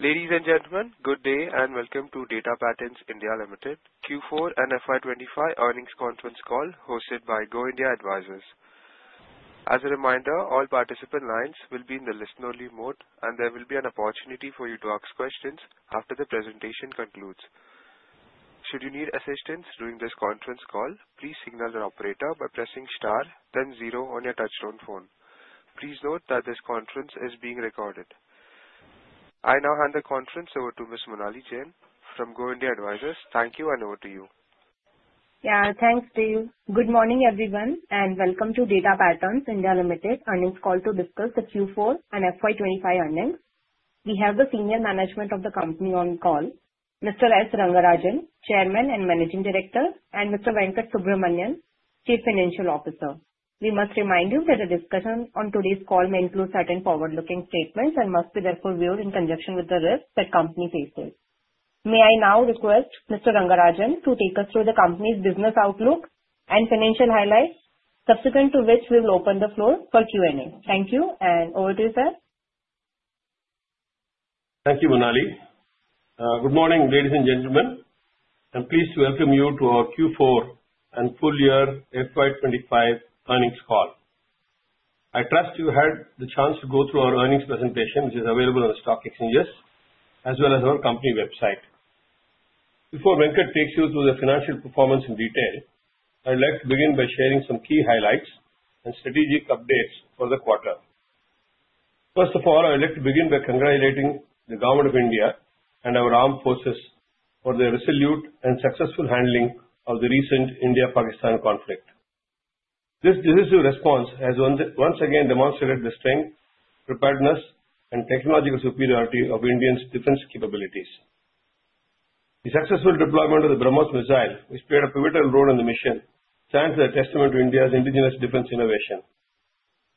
Ladies and gentlemen, good day and welcome to Data Patterns (India) Limited, Q4 and FY25 earnings conference call hosted by Go India Advisors. As a reminder, all participant lines will be in the listen-only mode, and there will be an opportunity for you to ask questions after the presentation concludes. Should you need assistance during this conference call, please signal the operator by pressing star, then zero on your touchstone phone. Please note that this conference is being recorded. I now hand the conference over to Ms. Monali Jain from Go India Advisors. Thank you, and over to you. Yeah, thanks, Dave. Good morning, everyone, and welcome to Data Patterns (India) Limited earnings call to discuss the Q4 and FY 2025 earnings. We have the senior management of the company on call, Mr. S. Rangarajan, Chairman and Managing Director, and Mr. Venkat Subramanian, Chief Financial Officer. We must remind you that the discussion on today's call may include certain forward-looking statements and must be therefore viewed in conjunction with the risks that the company faces. May I now request Mr. Rangarajan to take us through the company's business outlook and financial highlights, subsequent to which we will open the floor for Q&A? Thank you, and over to you, sir. Thank you, Monalee. Good morning, ladies and gentlemen. I'm pleased to welcome you to our Q4 and full year FY 2025 earnings call. I trust you had the chance to go through our earnings presentation, which is available on the stock exchanges, as well as our company website. Before Venkat takes you through the financial performance in detail, I'd like to begin by sharing some key highlights and strategic updates for the quarter. First of all, I'd like to begin by congratulating the Government of India and our armed forces for their resolute and successful handling of the recent India-Pakistan conflict. This decisive response has once again demonstrated the strength, preparedness, and technological superiority of India's defense capabilities. The successful deployment of the BrahMos missile, which played a pivotal role in the mission, stands as a testament to India's indigenous defense innovation.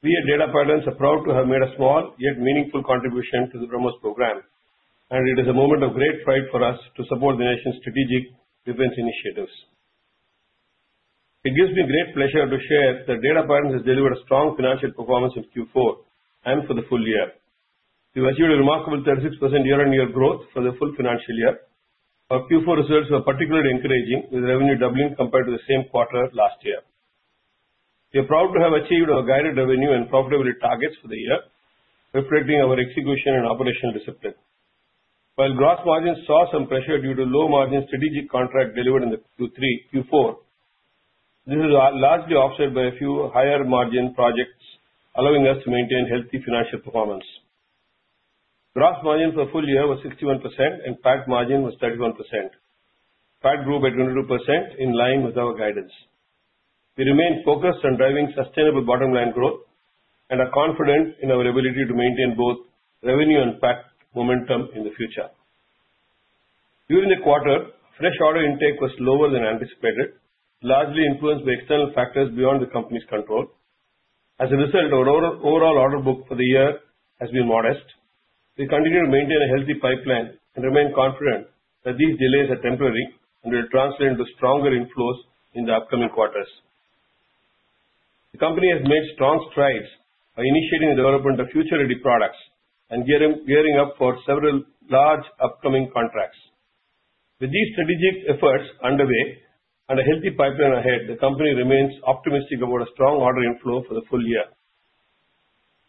We at Data Patterns are proud to have made a small yet meaningful contribution to the BrahMos program, and it is a moment of great pride for us to support the nation's strategic defense initiatives. It gives me great pleasure to share that Data Patterns has delivered a strong financial performance in Q4 and for the full year. We've achieved a remarkable 36% year-on-year growth for the full financial year. Our Q4 results were particularly encouraging, with revenue doubling compared to the same quarter last year. We are proud to have achieved our guided revenue and profitability targets for the year, reflecting our execution and operational discipline. While gross margins saw some pressure due to low-margin strategic contracts delivered in Q3, Q4, this was largely offset by a few higher-margin projects, allowing us to maintain healthy financial performance. Gross margin for the full year was 61%, and PAT margin was 31%. PAT grew by 22%, in line with our guidance. We remain focused on driving sustainable bottom-line growth and are confident in our ability to maintain both revenue and PAT momentum in the future. During the quarter, fresh order intake was lower than anticipated, largely influenced by external factors beyond the company's control. As a result, our overall order book for the year has been modest. We continue to maintain a healthy pipeline and remain confident that these delays are temporary and will translate into stronger inflows in the upcoming quarters. The company has made strong strides by initiating the development of future-ready products and gearing up for several large upcoming contracts. With these strategic efforts underway and a healthy pipeline ahead, the company remains optimistic about a strong order inflow for the full year.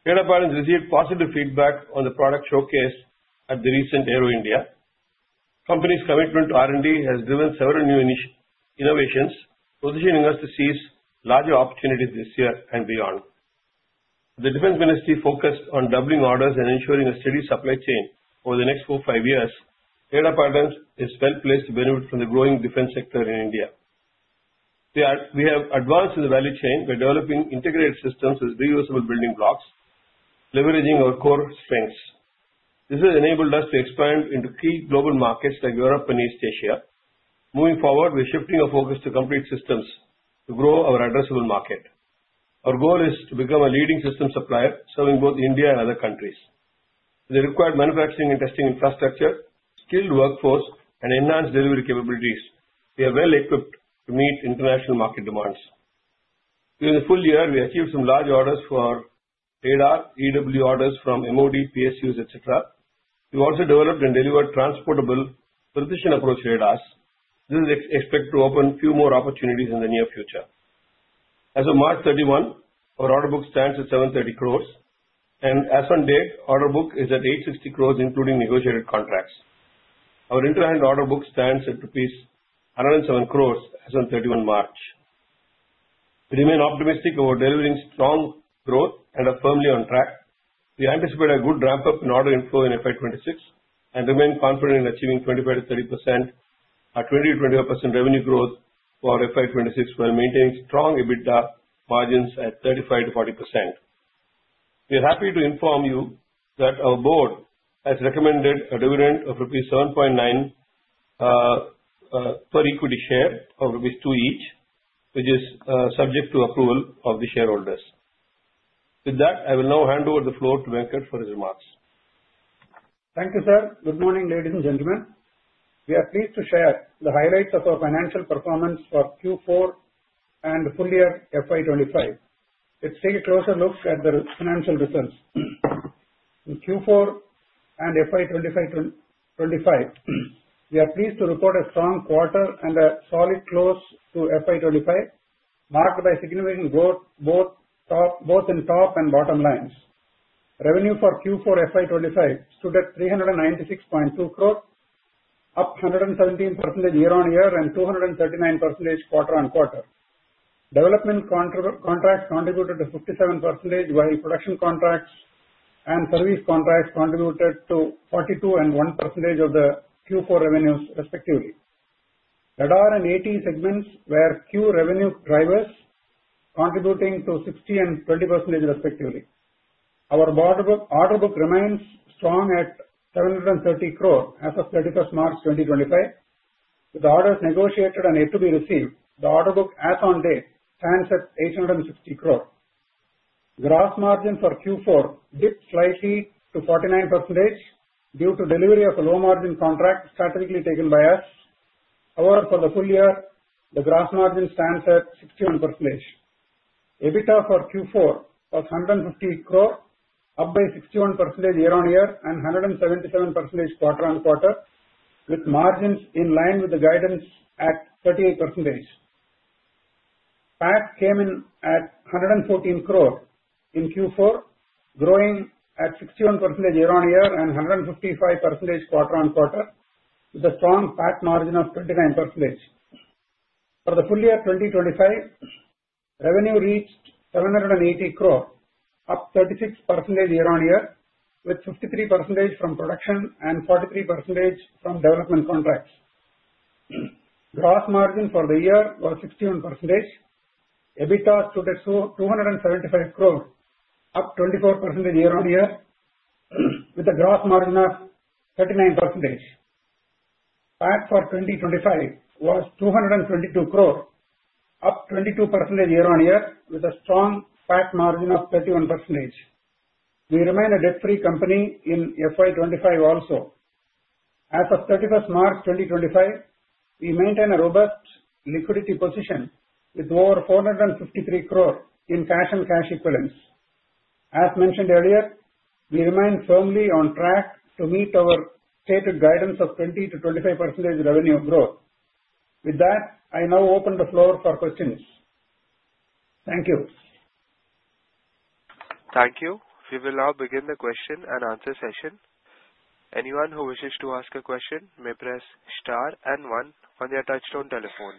Data Patterns received positive feedback on the product showcase at the recent Euro India. The company's commitment to R&D has driven several new innovations, positioning us to seize larger opportunities this year and beyond. The Ministry of Defence focused on doubling orders and ensuring a steady supply chain over the next four to five years. Data Patterns is well placed to benefit from the growing defense sector in India. We have advanced in the value chain by developing integrated systems as reusable building blocks, leveraging our core strengths. This has enabled us to expand into key global markets like Europe and East Asia. Moving forward, we're shifting our focus to complete systems to grow our addressable market. Our goal is to become a leading systems supplier serving both India and other countries. With the required manufacturing and testing infrastructure, skilled workforce, and enhanced delivery capabilities, we are well equipped to meet international market demands. During the full year, we achieved some large orders for radar, EW orders from MOD, PSUs, etc. We've also developed and delivered transportable precision approach radars. This is expected to open a few more opportunities in the near future. As of March 31, our order book stands at 730 crore, and as of date, the order book is at 860 crore, including negotiated contracts. Our inter-end order book stands at rupees 107 crore as of March 31. We remain optimistic about delivering strong growth and are firmly on track. We anticipate a good ramp-up in order inflow in FY26 and remain confident in achieving 25%-30% or 20%-25% revenue growth for FY 2026 while maintaining strong EBITDA margins at 35%-40%. We are happy to inform you that our board has recommended a dividend of rupees 7.9 per equity share of rupees 2 each, which is subject to approval of the shareholders. With that, I will now hand over the floor to Venkat for his remarks. Thank you, sir. Good morning, ladies and gentlemen. We are pleased to share the highlights of our financial performance for Q4 and full year FY 2025. Let's take a closer look at the financial results. In Q4 and FY 2025, we are pleased to report a strong quarter and a solid close to FY 2025, marked by significant growth both in top and bottom lines. Revenue for Q4 FY 2025 stood at 396.2 crores, up 117% year-on-year and 239% quarter-on-quarter. Development contracts contributed to 57%, while production contracts and service contracts contributed to 42% and 1% of the Q4 revenues, respectively. There are an AT segments where Q revenue drivers contributing to 60% and 20%, respectively. Our order book remains strong at 730 crores as of 31 March 2025. With orders negotiated and yet to be received, the order book as of today stands at 860 crores. Gross margin for Q4 dipped slightly to 49% due to delivery of a low-margin contract strategically taken by us. However, for the full year, the gross margin stands at 61%. EBITDA for Q4 was 150 crores, up by 61% year-on-year and 177% quarter-on-quarter, with margins in line with the guidance at 38%. PAT came in at 114 crores in Q4, growing at 61% year-on-year and 155% quarter-on-quarter, with a strong PAT margin of 29%. For the full year 2025, revenue reached 780 crores, up 36% year-on-year, with 53% from production and 43% from development contracts. Gross margin for the year was 61%. EBITDA stood at 275 crores, up 24% year-on-year, with a gross margin of 39%. PAT for 2025 was 222 crores, up 22% year-on-year, with a strong PAT margin of 31%. We remain a debt-free company in FY 2025 also. As of 31 March 2025, we maintain a robust liquidity position with over 453 crore in cash and cash equivalents. As mentioned earlier, we remain firmly on track to meet our stated guidance of 20%-25% revenue growth. With that, I now open the floor for questions. Thank you. Thank you. We will now begin the question and answer session. Anyone who wishes to ask a question may press star and one on their touchstone telephone.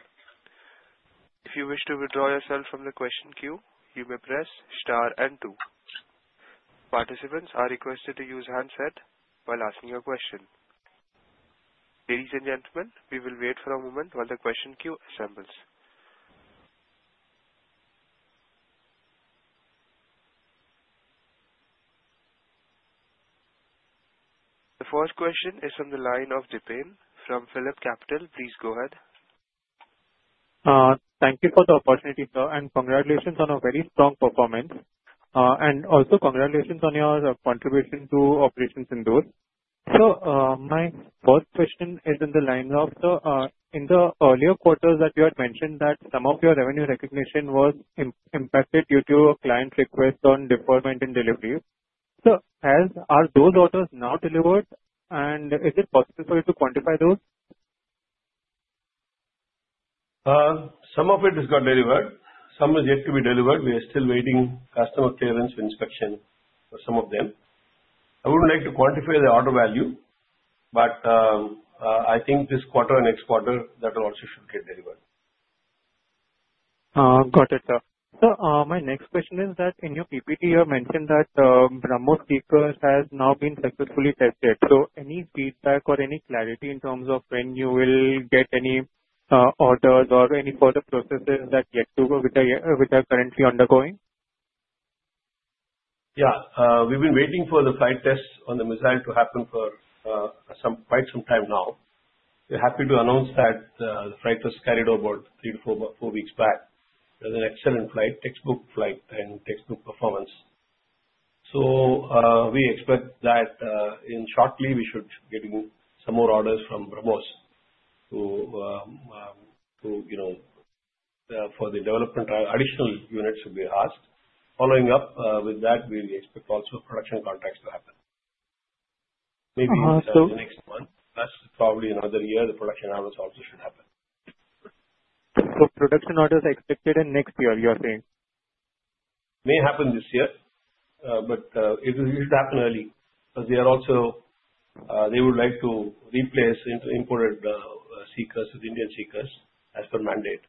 If you wish to withdraw yourself from the question queue, you may press star and two. Participants are requested to use handset while asking a question. Ladies and gentlemen, we will wait for a moment while the question queue assembles. The first question is from the line of Japan, from Philip Capital. Please go ahead. Thank you for the opportunity, sir, and congratulations on a very strong performance. Also, congratulations on your contribution to operations in those. My first question is in the lines of, sir, in the earlier quarters that you had mentioned that some of your revenue recognition was impacted due to a client's request on deferment in delivery. Are those orders now delivered, and is it possible for you to quantify those? Some of it has got delivered. Some is yet to be delivered. We are still waiting customer clearance inspection for some of them. I would not like to quantify the order value, but I think this quarter and next quarter, that will also get delivered. Got it, sir. My next question is that in your PPT, you have mentioned that BrahMos seeker has now been successfully tested. Any feedback or any clarity in terms of when you will get any orders or any further processes that are yet to go with the currently undergoing? Yeah. We've been waiting for the flight tests on the missile to happen for quite some time now. We're happy to announce that the flight was carried over about three to four weeks back. It was an excellent flight, textbook flight, and textbook performance. We expect that shortly, we should be getting some more orders from BrahMos for the development additional units to be asked. Following up with that, we expect also production contracts to happen. Maybe in the next month, plus probably another year, the production orders also should happen. Production orders are expected in next year, you are saying? May happen this year, but it should happen early because they also would like to replace imported seekers with Indian seekers as per mandate.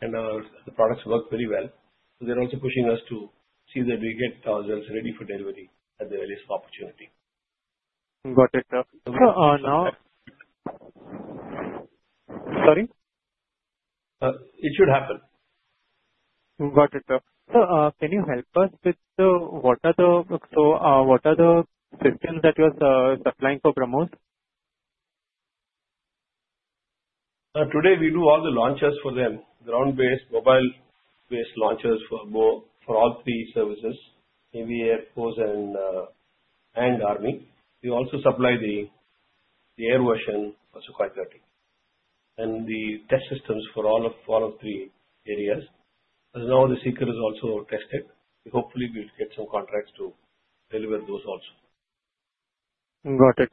The products work very well. They are also pushing us to see that we get ourselves ready for delivery at the earliest opportunity. Got it, sir. Now. Sorry? It should happen. Got it, sir. Can you help us with what are the systems that you are supplying for BrahMos? Today, we do all the launches for them, ground-based, mobile-based launches for all three services, Navy, Air Force, and Army. We also supply the air version for Sukhoi 30 and the test systems for all of three areas. As now the seeker is also tested, hopefully, we'll get some contracts to deliver those also. Got it,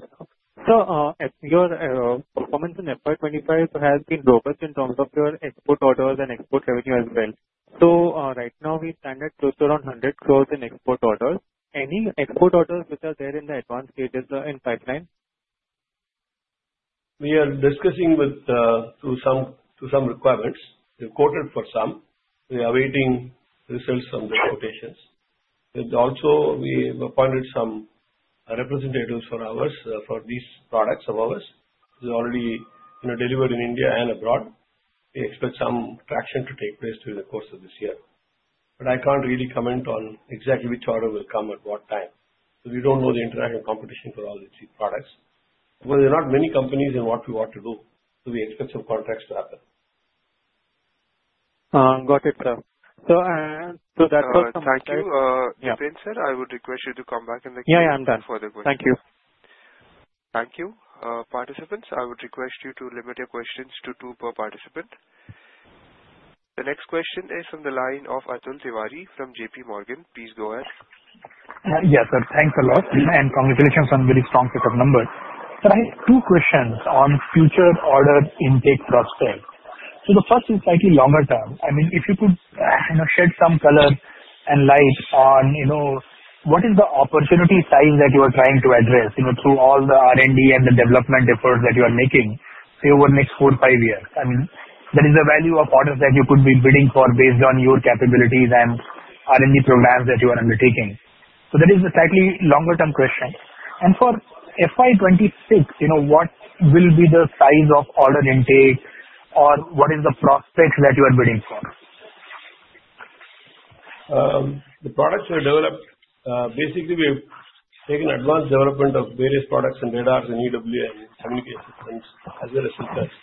sir. Your performance in FY 2025 has been robust in terms of your export orders and export revenue as well. Right now, we've landed close to around 100 crore in export orders. Any export orders which are there in the advanced stages in pipeline? We are discussing with through some requirements. We've quoted for some. We are awaiting results from the quotations. Also, we appointed some representatives for ours, for these products of ours. They're already delivered in India and abroad. We expect some traction to take place through the course of this year. I can't really comment on exactly which order will come at what time. We don't know the international competition for all these products. There are not many companies in what we want to do. We expect some contracts to happen. Got it, sir. That was some. Thank you. Japan, sir, I would request you to come back in the queue for the questions. Yeah, yeah. I'm done. Thank you. Thank you. Participants, I would request you to limit your questions to two per participant. The next question is from the line of Atul Tiwari from JPMorgan. Please go ahead. Yes, sir. Thanks a lot, and congratulations on a very strong set of numbers. Sir, I have two questions on future order intake prospects. The first is slightly longer term. I mean, if you could shed some color and light on what is the opportunity size that you are trying to address through all the R&D and the development efforts that you are making over the next four to five years. I mean, that is the value of orders that you could be bidding for based on your capabilities and R&D programs that you are undertaking. That is a slightly longer-term question. For FY 2026, what will be the size of order intake or what is the prospect that you are bidding for? The products we developed, basically, we've taken advanced development of various products and radars and EW and community assistance as well as seekers.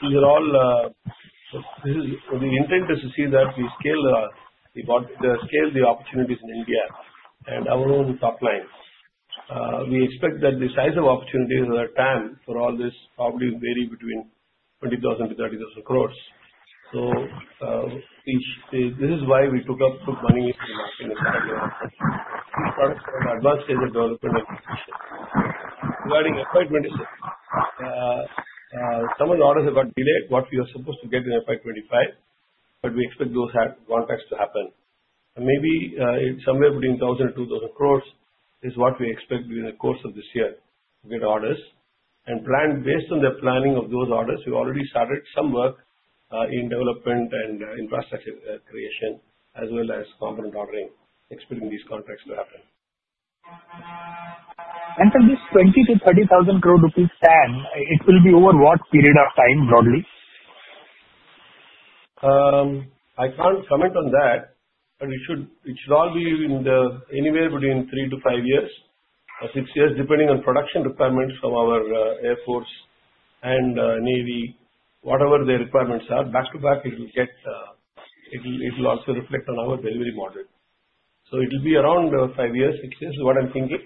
These are all the intent is to see that we scale the opportunities in India and our own top lines. We expect that the size of opportunities at that time for all this probably vary between 20,000-30,000 crore. This is why we took up money into the market and started development. These products are advanced as a development and acquisition. Regarding FY 2026, some of the orders have got delayed what we were supposed to get in FY 2025, but we expect those contracts to happen. Maybe somewhere between 1,000-2,000 crore is what we expect during the course of this year to get orders. Based on the planning of those orders, we've already started some work in development and infrastructure creation as well as component ordering, expecting these contracts to happen. For this 20,000 crore-30,000 crore rupees SAM, it will be over what period of time broadly? I can't comment on that, but it should all be anywhere between three to five years or six years, depending on production requirements from our Air Force and Navy, whatever their requirements are. Back to back, it will also reflect on our delivery model. It will be around five years, six years, is what I'm thinking.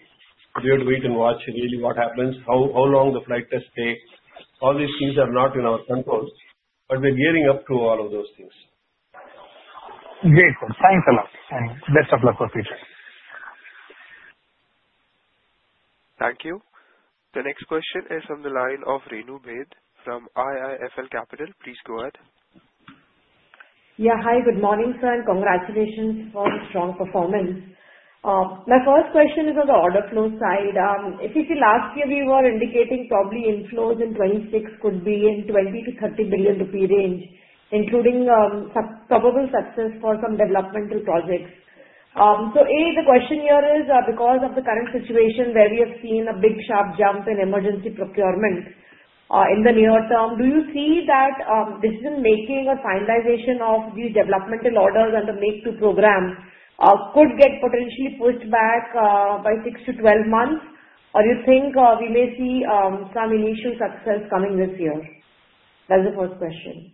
We have to wait and watch really what happens, how long the flight test takes. All these things are not in our control, but we're gearing up to all of those things. Great. Thanks a lot, and best of luck for the future. Thank you. The next question is from the line of Renu Baid from IIFL Capital. Please go ahead. Yeah. Hi, good morning, sir. Congratulations for the strong performance. My first question is on the order flow side. If you see, last year, we were indicating probably inflows in 2026 could be in the 20 billion-30 billion rupee range, including probable success for some developmental projects. A, the question here is, because of the current situation where we have seen a big sharp jump in emergency procurement in the near term, do you see that decision-making or finalization of the developmental orders and the make-two program could get potentially pushed back by 6-12 months, or do you think we may see some initial success coming this year? That is the first question.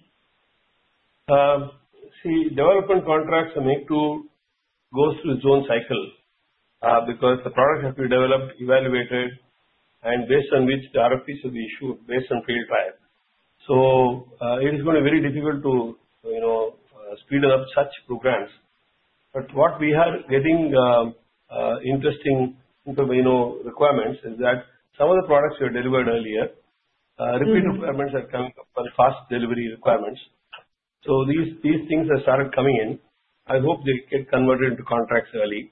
See, development contracts and make-two go through its own cycle because the products have been developed, evaluated, and based on which the RFPs will be issued based on field time. It is going to be very difficult to speed up such programs. What we are getting interesting requirements is that some of the products were delivered earlier. Repeat requirements are coming up, fast delivery requirements. These things have started coming in. I hope they get converted into contracts early.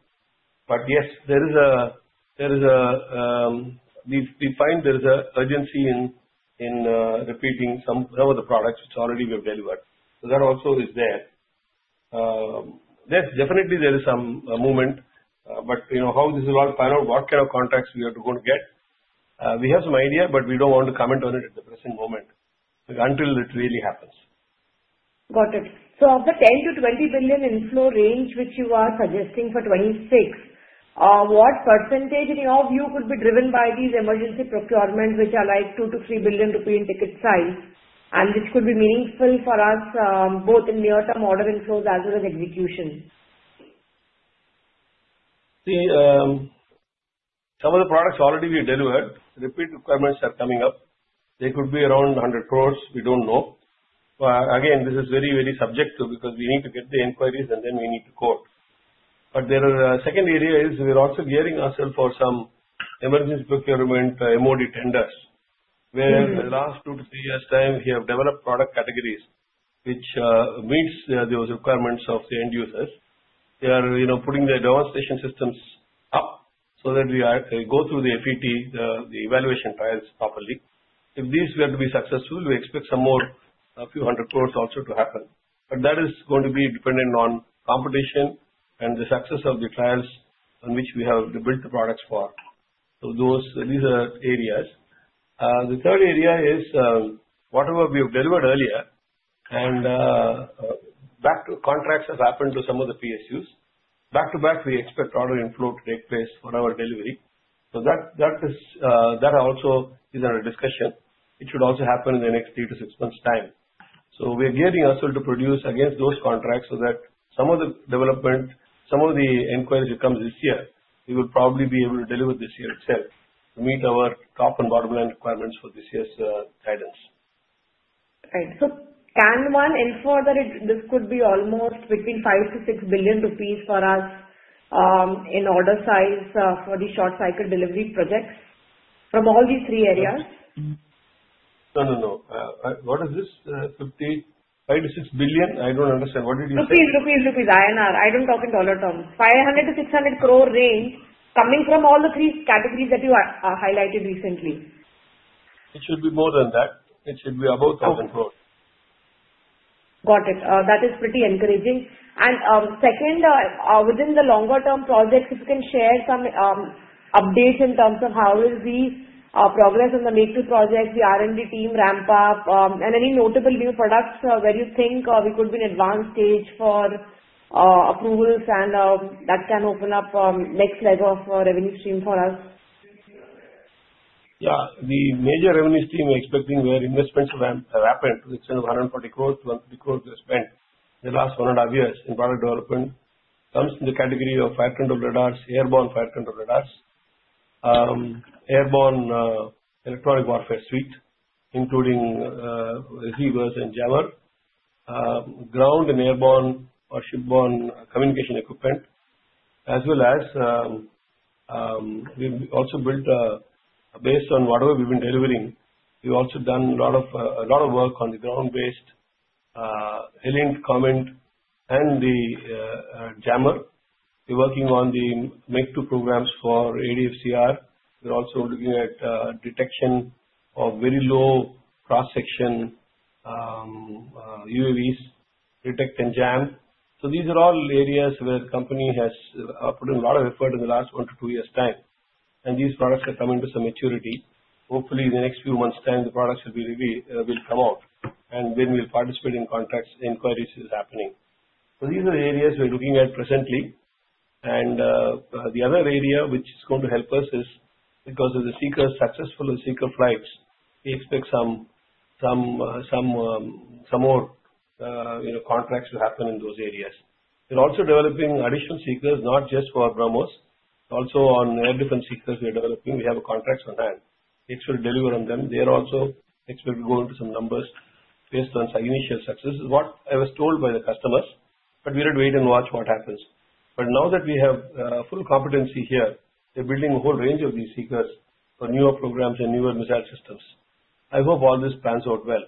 Yes, we find there is an urgency in repeating some of the products which already we have delivered. That also is there. Yes, definitely, there is some movement, but how this will all pan out, what kind of contracts we are going to get, we have some idea, but we do not want to comment on it at the present moment until it really happens. Got it. So of the 10-20 billion inflow range which you are suggesting for 2026, what percentage of it could be driven by these emergency procurements which are like 2-3 billion rupees in ticket size and which could be meaningful for us both in near-term order inflows as well as execution? See, some of the products already we have delivered. Repeat requirements are coming up. They could be around 100 crore. We don't know. Again, this is very, very subjective because we need to get the inquiries, and then we need to quote. The second area is we're also gearing ourselves for some emergency procurement Ministry of Defence tenders where in the last two to three years' time, we have developed product categories which meet those requirements of the end users. They are putting the demonstration systems up so that we go through the FET, the evaluation trials properly. If these were to be successful, we expect some more, a few hundred crore also to happen. That is going to be dependent on competition and the success of the trials on which we have built the products for. These are areas. The third area is whatever we have delivered earlier, and back-to-back contracts have happened to some of the PSUs. Back to back, we expect order inflow to take place for our delivery. That also is under discussion. It should also happen in the next three to six months' time. We are gearing ourselves to produce against those contracts so that some of the development, some of the inquiries that come this year, we will probably be able to deliver this year itself to meet our top and bottom-line requirements for this year's guidance. Right. So can one infer that this could be almost between 5 billion and 6 billion rupees for us in order size for the short-cycle delivery projects from all these three areas? No, no. What is this? $5 billion-$6 billion? I don't understand. What did you say? INR 500-600 crore range coming from all the three categories that you highlighted recently. It should be more than that. It should be above 1,000 crore. Got it. That is pretty encouraging. Second, within the longer-term projects, if you can share some updates in terms of how is the progress on the make-two projects, the R&D team, ramp-up, and any notable new products where you think we could be in advanced stage for approvals and that can open up next level of revenue stream for us? Yeah. The major revenue stream we're expecting where investments have happened, which is around 40 crore, 1-2 crore we have spent in the last one and a half years in product development, comes in the category of fire-control radars, airborne fire-control radars, airborne electronic warfare suite, including receivers and jammer, ground and airborne or shipborne communication equipment, as well as we also built based on whatever we've been delivering. We've also done a lot of work on the ground-based Helium comment and the jammer. We're working on the make-two programs for ADFCR. We're also looking at detection of very low cross-section UAVs, detect and jam. These are all areas where the company has put in a lot of effort in the last one to two years' time. These products are coming to some maturity. Hopefully, in the next few months' time, the products will come out, and then we'll participate in contracts. Inquiries are happening. These are the areas we're looking at presently. The other area which is going to help us is because of the successful seeker flights, we expect some more contracts to happen in those areas. We're also developing additional seekers, not just for BrahMos. Also on air defense seekers, we are developing. We have contracts on hand. We expect to deliver on them. They are also expected to go into some numbers based on initial successes, what I was told by the customers, but we'll wait and watch what happens. Now that we have full competency here, we're building a whole range of these seekers for newer programs and newer missile systems. I hope all this pans out well.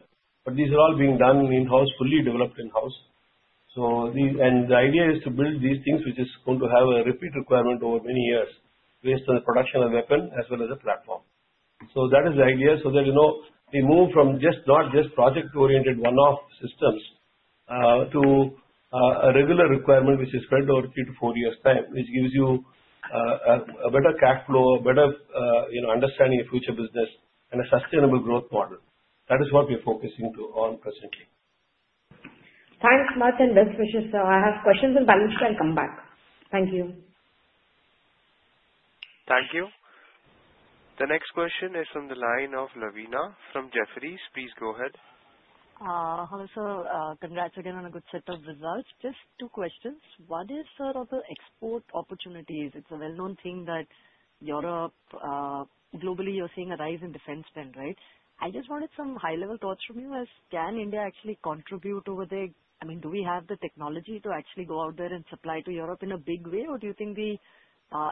These are all being done in-house, fully developed in-house. The idea is to build these things which is going to have a repeat requirement over many years based on the production of weapon as well as a platform. That is the idea, so that we move from not just project-oriented one-off systems to a regular requirement which is spread over three to four years' time, which gives you a better cash flow, a better understanding of future business, and a sustainable growth model. That is what we're focusing on presently. Thanks much and best wishes. I have questions in balance. You can come back. Thank you. Thank you. The next question is from the line of Lavina from Jefferies. Please go ahead. Hello, sir. Congrats again on a good set of results. Just two questions. What is, sir, of the export opportunities? It's a well-known thing that globally you're seeing a rise in defense spend, right? I just wanted some high-level thoughts from you. Can India actually contribute over there? I mean, do we have the technology to actually go out there and supply to Europe in a big way, or do you think the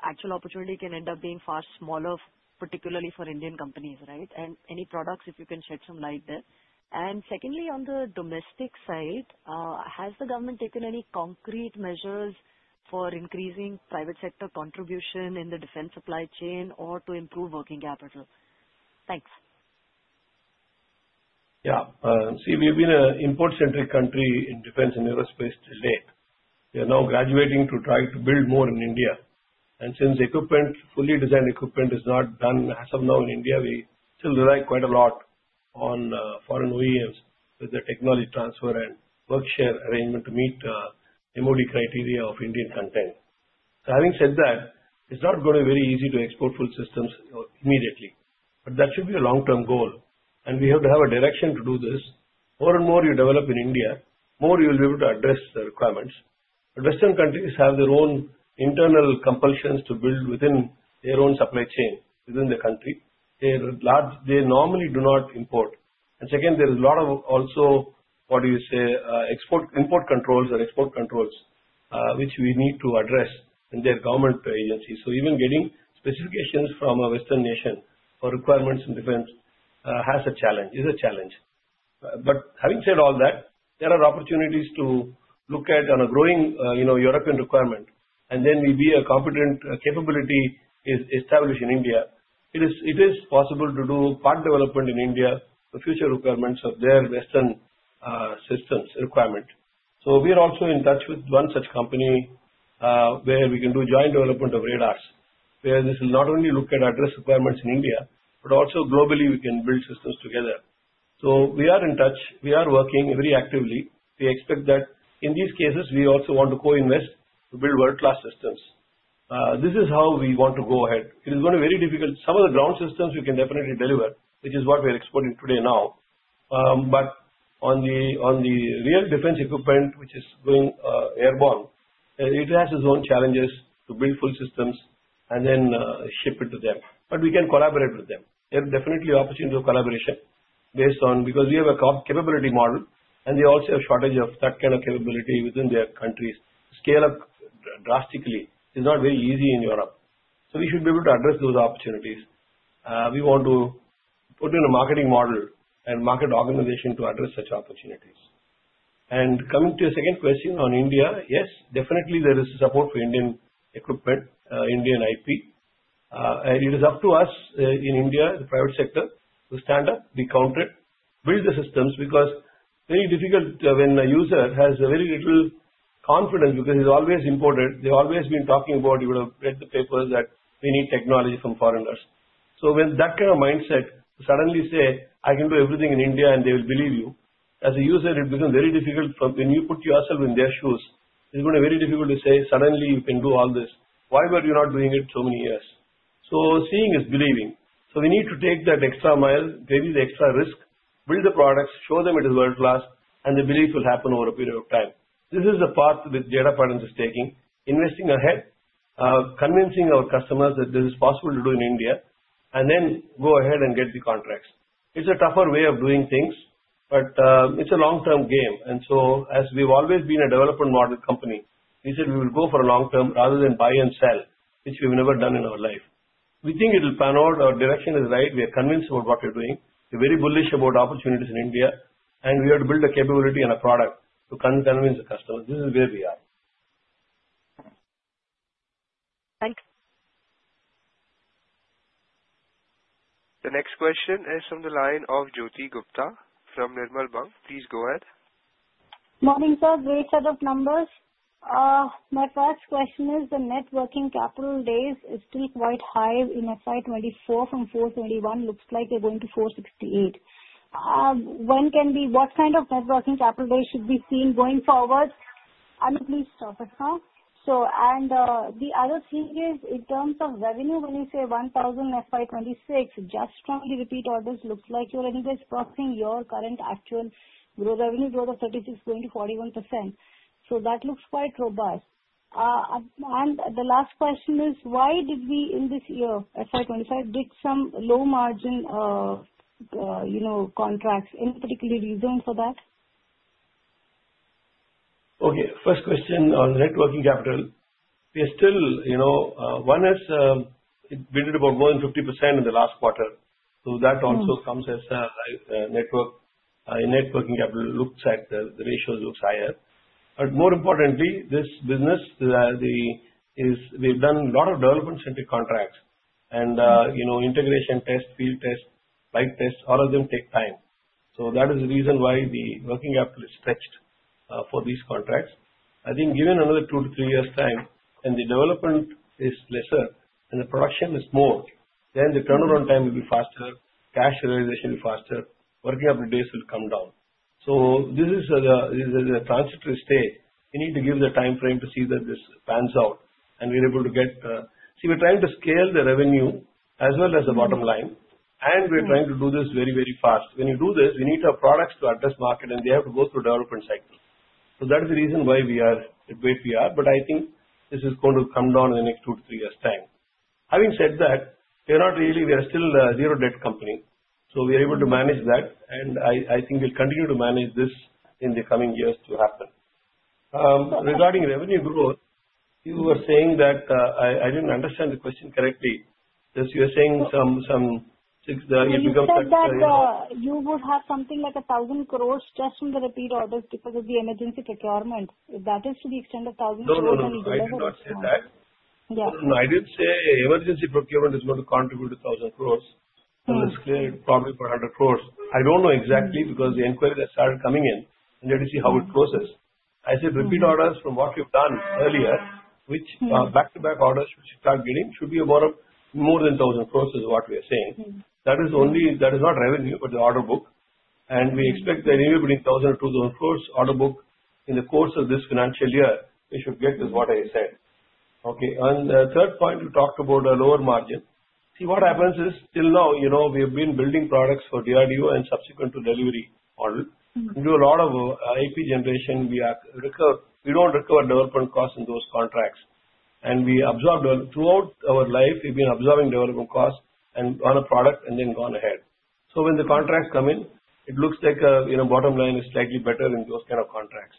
actual opportunity can end up being far smaller, particularly for Indian companies, right? Any products, if you can shed some light there. Secondly, on the domestic side, has the government taken any concrete measures for increasing private sector contribution in the defense supply chain or to improve working capital? Thanks. Yeah. See, we've been an import-centric country in defense and aerospace till late. We are now graduating to try to build more in India. Since fully designed equipment is not done as of now in India, we still rely quite a lot on foreign OEMs with the technology transfer and work share arrangement to meet MOD criteria of Indian content. Having said that, it's not going to be very easy to export full systems immediately. That should be a long-term goal. We have to have a direction to do this. More and more you develop in India, more you'll be able to address the requirements. Western countries have their own internal compulsions to build within their own supply chain within the country. They normally do not import. There is a lot of also, what do you say, import controls or export controls which we need to address in their government agencies. Even getting specifications from a Western nation for requirements in defense is a challenge. Having said all that, there are opportunities to look at a growing European requirement, and then we'll be a competent capability established in India. It is possible to do part development in India for future requirements of their Western systems requirement. We are also in touch with one such company where we can do joint development of radars, where this will not only look at address requirements in India, but also globally we can build systems together. We are in touch. We are working very actively. We expect that in these cases, we also want to co-invest to build world-class systems. This is how we want to go ahead. It is going to be very difficult. Some of the ground systems we can definitely deliver, which is what we are exporting today now. On the real defense equipment which is going airborne, it has its own challenges to build full systems and then ship into them. We can collaborate with them. There is definitely an opportunity for collaboration because we have a capability model, and they also have a shortage of that kind of capability within their countries. Scale-up drastically is not very easy in Europe. We should be able to address those opportunities. We want to put in a marketing model and market organization to address such opportunities. Coming to your second question on India, yes, definitely there is support for Indian equipment, Indian IP. It is up to us in India, the private sector, to stand up, be counted, build the systems because very difficult when a user has very little confidence because he's always imported. They've always been talking about, "You would have read the papers that we need technology from foreigners." When that kind of mindset suddenly says, "I can do everything in India," and they will believe you, as a user, it becomes very difficult. When you put yourself in their shoes, it's going to be very difficult to say, "Suddenly, you can do all this. Why were you not doing it so many years?" Seeing is believing. We need to take that extra mile, pay the extra risk, build the products, show them it is world-class, and the belief will happen over a period of time. This is the path that Data Patterns (India) Limited is taking, investing ahead, convincing our customers that this is possible to do in India, and then go ahead and get the contracts. It is a tougher way of doing things, but it is a long-term game. As we have always been a development model company, we said we will go for a long-term rather than buy and sell, which we have never done in our life. We think it will pan out. Our direction is right. We are convinced about what we are doing. We are very bullish about opportunities in India, and we are to build a capability and a product to convince the customers. This is where we are. Thanks. The next question is from the line of Jyoti Gupta from Nirmal Bank. Please go ahead. Morning, sir. Great set of numbers. My first question is the net working capital days is still quite high in FY 2024 from 421. Looks like we're going to 468. What kind of net working capital days should we be seeing going forward? Please stop it now. The other thing is in terms of revenue, when you say 1,000 crore FY 2026, just from the repeat orders, looks like you're anyways crossing your current actual revenue growth of 36% going to 41%. That looks quite robust. The last question is, why did we in this year FY 2025 do some low-margin contracts? Any particular reason for that? Okay. First question on networking capital. One has been about more than 50% in the last quarter. That also comes as networking capital looks at the ratios, looks higher. More importantly, this business, we've done a lot of development-centric contracts. Integration test, field test, flight test, all of them take time. That is the reason why the working capital is stretched for these contracts. I think given another two to three years' time, and the development is lesser and the production is more, the turnaround time will be faster, cash realization will be faster, working capital days will come down. This is a transitory stage. We need to give the time frame to see that this pans out and we're able to get, see, we're trying to scale the revenue as well as the bottom line, and we're trying to do this very, very fast. When you do this, we need our products to address market, and they have to go through development cycles. That is the reason why we are at where we are. I think this is going to come down in the next two to three years' time. Having said that, we are still a zero-debt company. We are able to manage that, and I think we'll continue to manage this in the coming years to happen. Regarding revenue growth, you were saying that I didn't understand the question correctly. You were saying some it becomes like You would have something like 1,000 crore just from the repeat orders because of the emergency procurement. If that is to the extent of 1,000 crore, then we will. No, no, no. I did not say that. I did say emergency procurement is going to contribute to 1,000 crores. It's probably for 100 crores. I don't know exactly because the inquiries are started coming in, and they have to see how it closes. I said repeat orders from what we've done earlier, which back-to-back orders which we start getting should be more than 1,000 crores is what we are saying. That is not revenue, but the order book. We expect that anywhere between 1,000-2,000 crores order book in the course of this financial year, we should get is what I said. Okay. The third point, we talked about a lower margin. See, what happens is till now, we have been building products for DRDO and subsequent to delivery order. We do a lot of IP generation. We don't recover development costs in those contracts. We absorbed throughout our life, we've been absorbing development costs on a product and then gone ahead. When the contracts come in, it looks like bottom line is slightly better in those kind of contracts.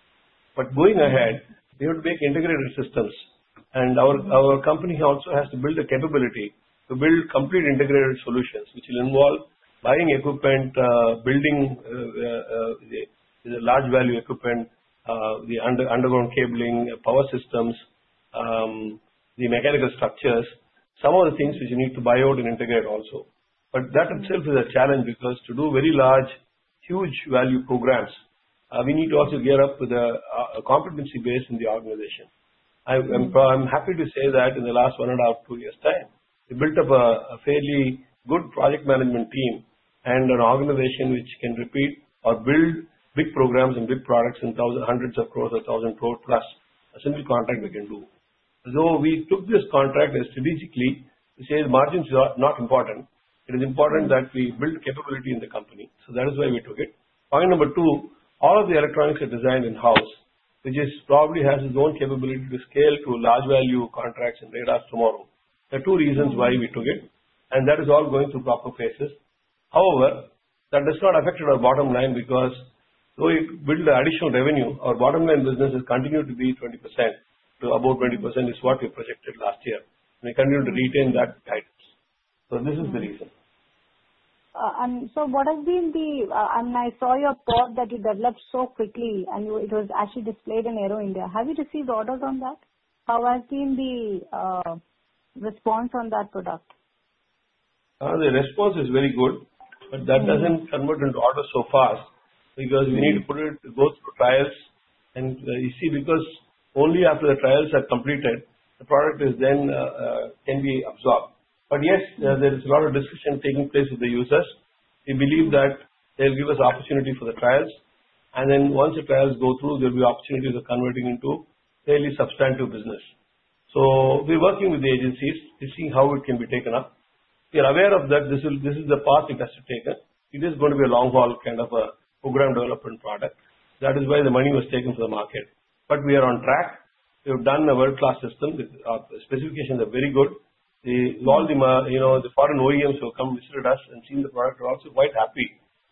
Going ahead, we have to make integrated systems. Our company also has to build a capability to build complete integrated solutions, which will involve buying equipment, building large-value equipment, the underground cabling, power systems, the mechanical structures, some of the things which you need to buy out and integrate also. That itself is a challenge because to do very large, huge value programs, we need to also gear up with a competency base in the organization. I'm happy to say that in the last one and a half, two years' time, we built up a fairly good project management team and an organization which can repeat or build big programs and big products in hundreds of crores or 1,000 crores plus a single contract we can do. We took this contract strategically. We said margins are not important. It is important that we build capability in the company. That is why we took it. Point number two, all of the electronics are designed in-house, which probably has its own capability to scale to large-value contracts and radars tomorrow. There are two reasons why we took it, and that is all going through proper phases. However, that has not affected our bottom line because though we build additional revenue, our bottom line business has continued to be 20% to above 20% is what we projected last year. We continue to retain that guidance. This is the reason. What has been the, and I saw your thought that you developed so quickly, and it was actually displayed in Aero India. Have you received orders on that? How has been the response on that product? The response is very good, but that does not convert into orders so fast because we need to go through trials. You see, because only after the trials are completed, the product can be absorbed. Yes, there is a lot of discussion taking place with the users. We believe that they will give us opportunity for the trials. Once the trials go through, there will be opportunities of converting into fairly substantive business. We are working with the agencies to see how it can be taken up. We are aware that this is the path it has to take. It is going to be a long-haul kind of a program development product. That is why the money was taken for the market. We are on track. We have done a world-class system with specifications that are very good. All the foreign OEMs who have come visited us and seen the product are also quite happy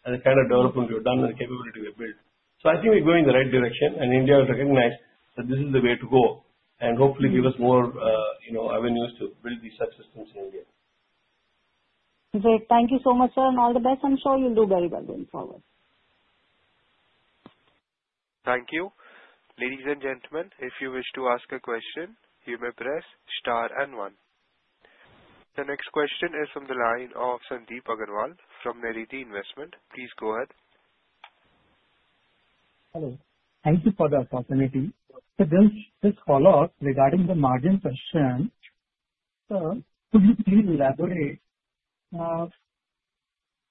at the kind of development we've done and the capability we've built. I think we're going in the right direction, and India will recognize that this is the way to go and hopefully give us more avenues to build these subsystems in India. Great. Thank you so much, sir, and all the best. I'm sure you'll do very well going forward. Thank you. Ladies and gentlemen, if you wish to ask a question, you may press star and one. The next question is from the line of Sandeep Agarwal from Naredi Investment. Please go ahead. Hello. Thank you for the opportunity. Just to follow up regarding the margin question, sir, could you please elaborate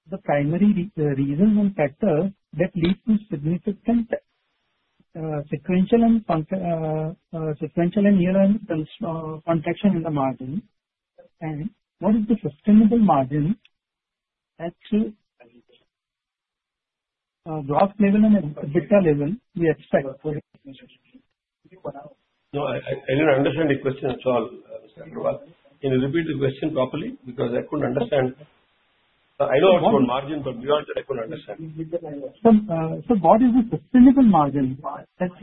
the primary reasons and factors that lead to significant sequential and near-line contraction in the margin? What is the sustainable margin at gross level and at EBITDA level we expect? No, I didn't understand your question at all, Mr. Agarwal. Can you repeat the question properly? Because I couldn't understand. I know what you mean. I know what margin, but beyond that, I couldn't understand. Sir, what is the sustainable margin at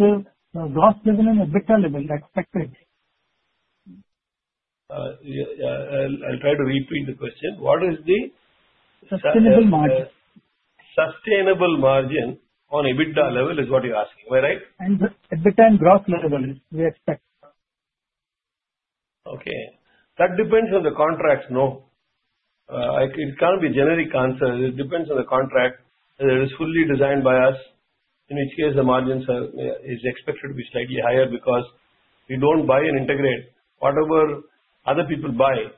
gross level and at EBITDA level expected? I'll try to repeat the question. What is the? Sustainable margin. Sustainable margin on a beta level is what you're asking. Am I right? At EBITDA and gross level we expect? Okay. That depends on the contracts, no. It cannot be a generic answer. It depends on the contract that is fully designed by us, in which case the margin is expected to be slightly higher because we do not buy and integrate. Whatever other people buy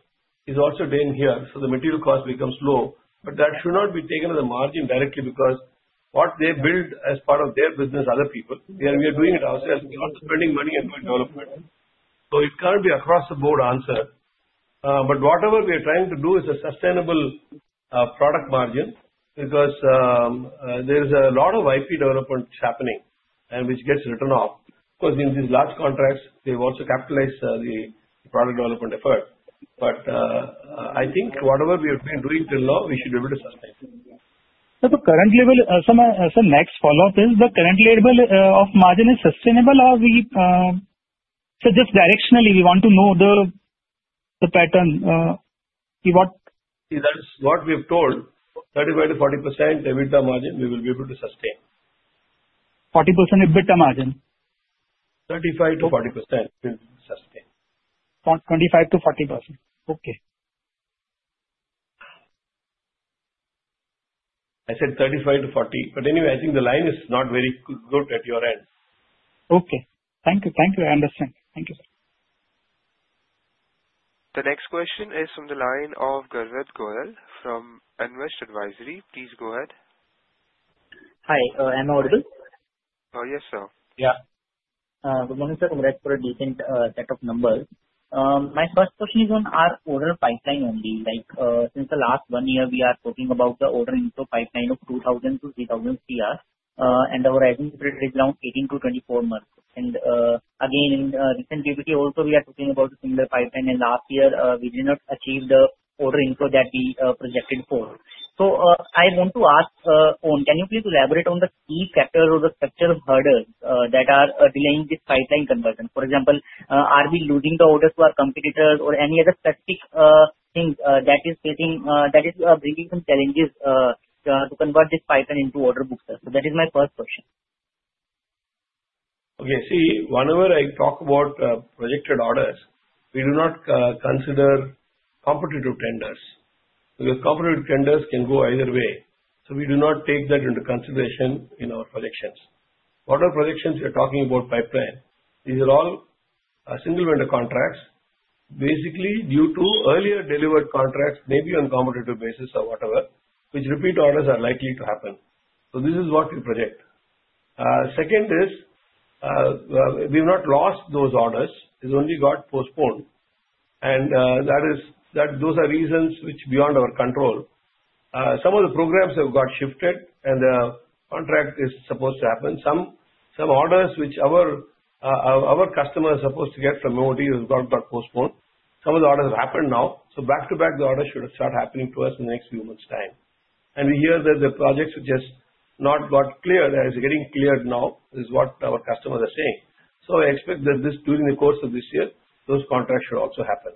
is also done here. So the material cost becomes low. That should not be taken as a margin directly because what they build as part of their business, other people, we are doing it ourselves. We are not spending money on development. It cannot be a cross-the-board answer. Whatever we are trying to do is a sustainable product margin because there is a lot of IP development happening and which gets written off. Of course, in these large contracts, they have also capitalized the product development effort. I think whatever we have been doing till now, we should be able to sustain. The current level, so my next follow-up is the current level of margin is sustainable or we, so just directionally, we want to know the pattern. See what. See, that's what we've told, 35%-40% EBITDA margin, we will be able to sustain. 40% EBITDA margin. 35%-40% will sustain. 25%-40%. Okay. I said 35-40%. Anyway, I think the line is not very good at your end. Okay. Thank you. Thank you. I understand. Thank you, sir. The next question is from the line of Garvit Goyal from Nvest Advisory. Please go ahead. Hi. Am I audible? Yes, sir. Yeah. Good morning, sir. I'm Garved Goyal, decent set of numbers. My first question is on our order pipeline only. Since the last one year, we are talking about the order info pipeline of 2,000-3,000 crore, and our average is around 18-24 months. In recent PPT also, we are talking about a similar pipeline, and last year, we did not achieve the order info that we projected for. I want to ask, can you please elaborate on the key factors or the structure of hurdles that are delaying this pipeline conversion? For example, are we losing the orders to our competitors or any other specific things that is bringing some challenges to convert this pipeline into order books? That is my first question. Okay. See, whenever I talk about projected orders, we do not consider competitive tenders because competitive tenders can go either way. We do not take that into consideration in our projections. What are projections we are talking about pipeline? These are all single vendor contracts, basically due to earlier delivered contracts, maybe on a competitive basis or whatever, which repeat orders are likely to happen. This is what we project. Second is we have not lost those orders. It's only got postponed. Those are reasons which are beyond our control. Some of the programs have got shifted, and the contract is supposed to happen. Some orders which our customers are supposed to get from MoD have got postponed. Some of the orders have happened now. Back to back, the orders should start happening to us in the next few months' time. We hear that the projects have just not got cleared. It's getting cleared now is what our customers are saying. I expect that during the course of this year, those contracts should also happen.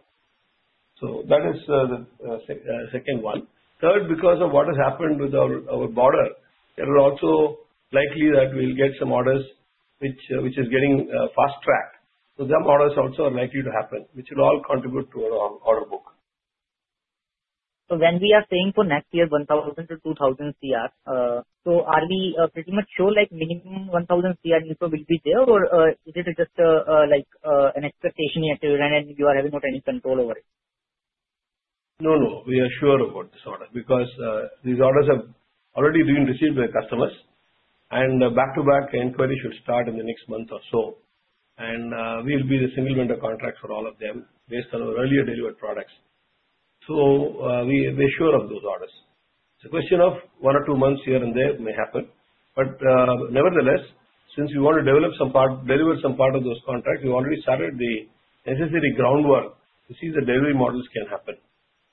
That is the second one. Third, because of what has happened with our border, it is also likely that we'll get some orders which are getting fast-tracked. Some orders also are likely to happen, which will all contribute to our order book. Then we are saying for next year, 1,000-2,000 crore. Are we pretty much sure 1,000 crore info will be there, or is it just an expectation yet to run and you are having not any control over it? No, no. We are sure about this order because these orders have already been received by customers, and back-to-back inquiries should start in the next month or so. We will be the single vendor contract for all of them based on our earlier delivered products. We are sure of those orders. It is a question of one or two months here and there may happen. Nevertheless, since we want to deliver some part of those contracts, we have already started the necessary groundwork to see the delivery models can happen.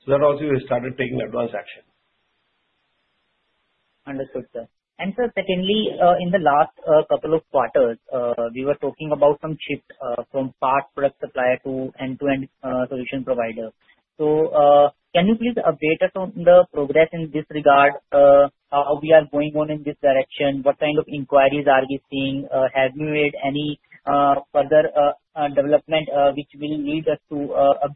That also we have started taking advanced action. Understood, sir. Sir, secondly, in the last couple of quarters, we were talking about some shift from part product supplier to end-to-end solution provider. Can you please update us on the progress in this regard? How are we going on in this direction? What kind of inquiries are we seeing? Have you made any further development which will lead us to a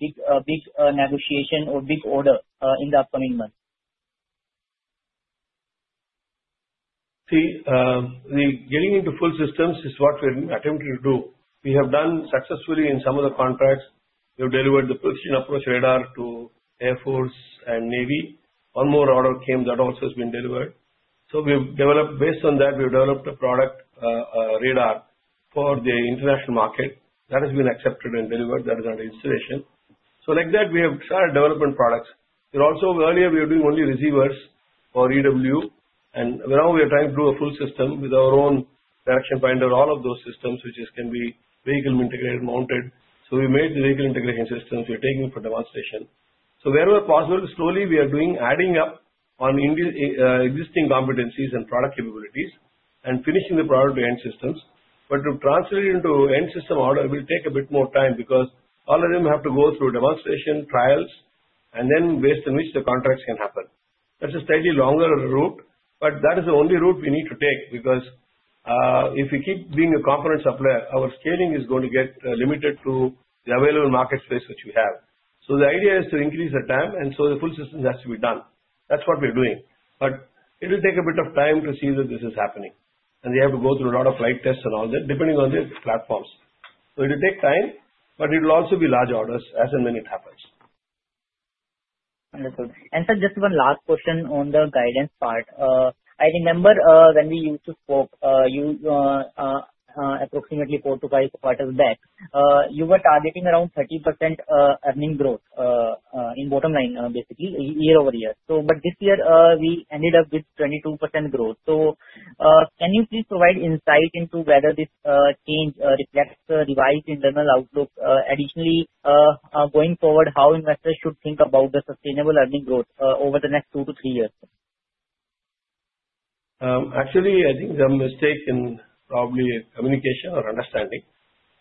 big negotiation or big order in the upcoming months? See, getting into full systems is what we're attempting to do. We have done successfully in some of the contracts. We have delivered the precision approach radar to Air Force and Navy. One more order came. That also has been delivered. Based on that, we've developed a product radar for the international market that has been accepted and delivered. That is under installation. Like that, we have started developing products. Earlier, we were doing only receivers for EW, and now we are trying to do a full system with our own direction finder, all of those systems, which can be vehicle integrated, mounted. We made the vehicle integration systems. We're taking it for demonstration. Wherever possible, slowly we are adding up on existing competencies and product capabilities and finishing the product to end systems. To translate into end system order, it will take a bit more time because all of them have to go through demonstration, trials, and then based on which the contracts can happen. That is a slightly longer route, but that is the only route we need to take because if we keep being a component supplier, our scaling is going to get limited to the available market space which we have. The idea is to increase the time, and so the full system has to be done. That is what we are doing. It will take a bit of time to see that this is happening. We have to go through a lot of flight tests and all that depending on the platforms. It will take time, but it will also be large orders as and when it happens. Wonderful. Sir, just one last question on the guidance part. I remember when we used to scope, approximately four to five quarters back, you were targeting around 30% earning growth in bottom line, basically, year over year. This year, we ended up with 22% growth. Can you please provide insight into whether this change reflects the revised internal outlook? Additionally, going forward, how investors should think about the sustainable earning growth over the next two to three years? Actually, I think there's a mistake in probably communication or understanding.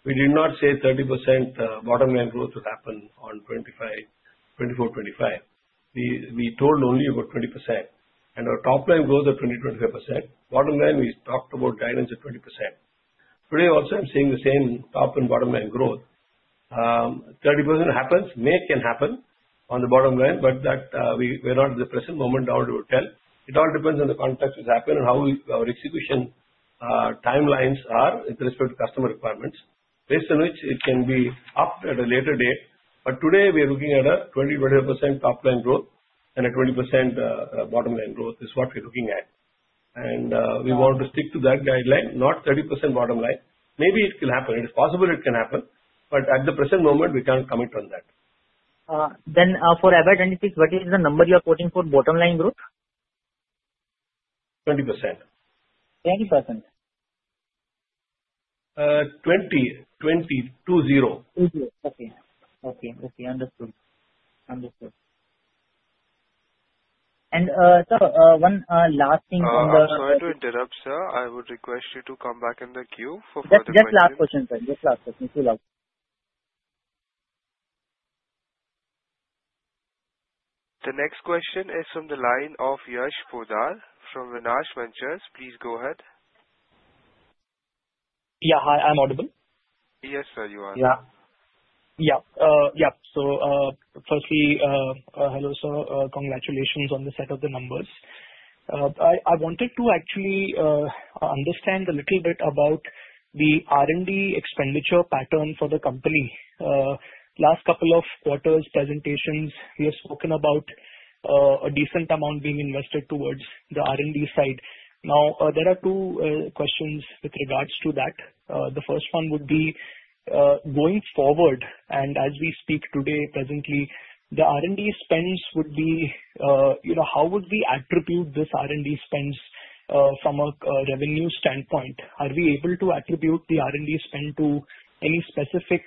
We did not say 30% bottom line growth would happen on 2024, 2025. We told only about 20%. Our top line growth is 20-25%. Bottom line, we talked about guidance of 20%. Today, also, I'm seeing the same top and bottom line growth. 30% happens. May can happen on the bottom line, but we're not at the present moment. How it will tell, it all depends on the contracts which happen and how our execution timelines are with respect to customer requirements, based on which it can be upped at a later date. Today, we are looking at a 20-25% top line growth and a 20% bottom line growth is what we're looking at. We want to stick to that guideline, not 30% bottom line. Maybe it can happen. It is possible it can happen. At the present moment, we can't commit on that. For Aberta Industries, what is the number you are quoting for bottom line growth? 20%. 20%? 20, 20, two zero. Okay. Okay. Okay. Understood. Understood. And sir, one last thing on the. Sorry to interrupt, sir. I would request you to come back in the queue for further questions. Just last question, sir. Just last question. Please allow. The next question is from the line of Yash Poddar from Viansh Ventures. Please go ahead. Yeah. Hi. Am I audible? Yes, sir, you are. Yeah. Yeah. Firstly, hello, sir. Congratulations on the set of the numbers. I wanted to actually understand a little bit about the R&D expenditure pattern for the company. Last couple of quarters, presentations, we have spoken about a decent amount being invested towards the R&D side. Now, there are two questions with regards to that. The first one would be going forward, and as we speak today, presently, the R&D spends would be how would we attribute this R&D spends from a revenue standpoint? Are we able to attribute the R&D spend to any specific,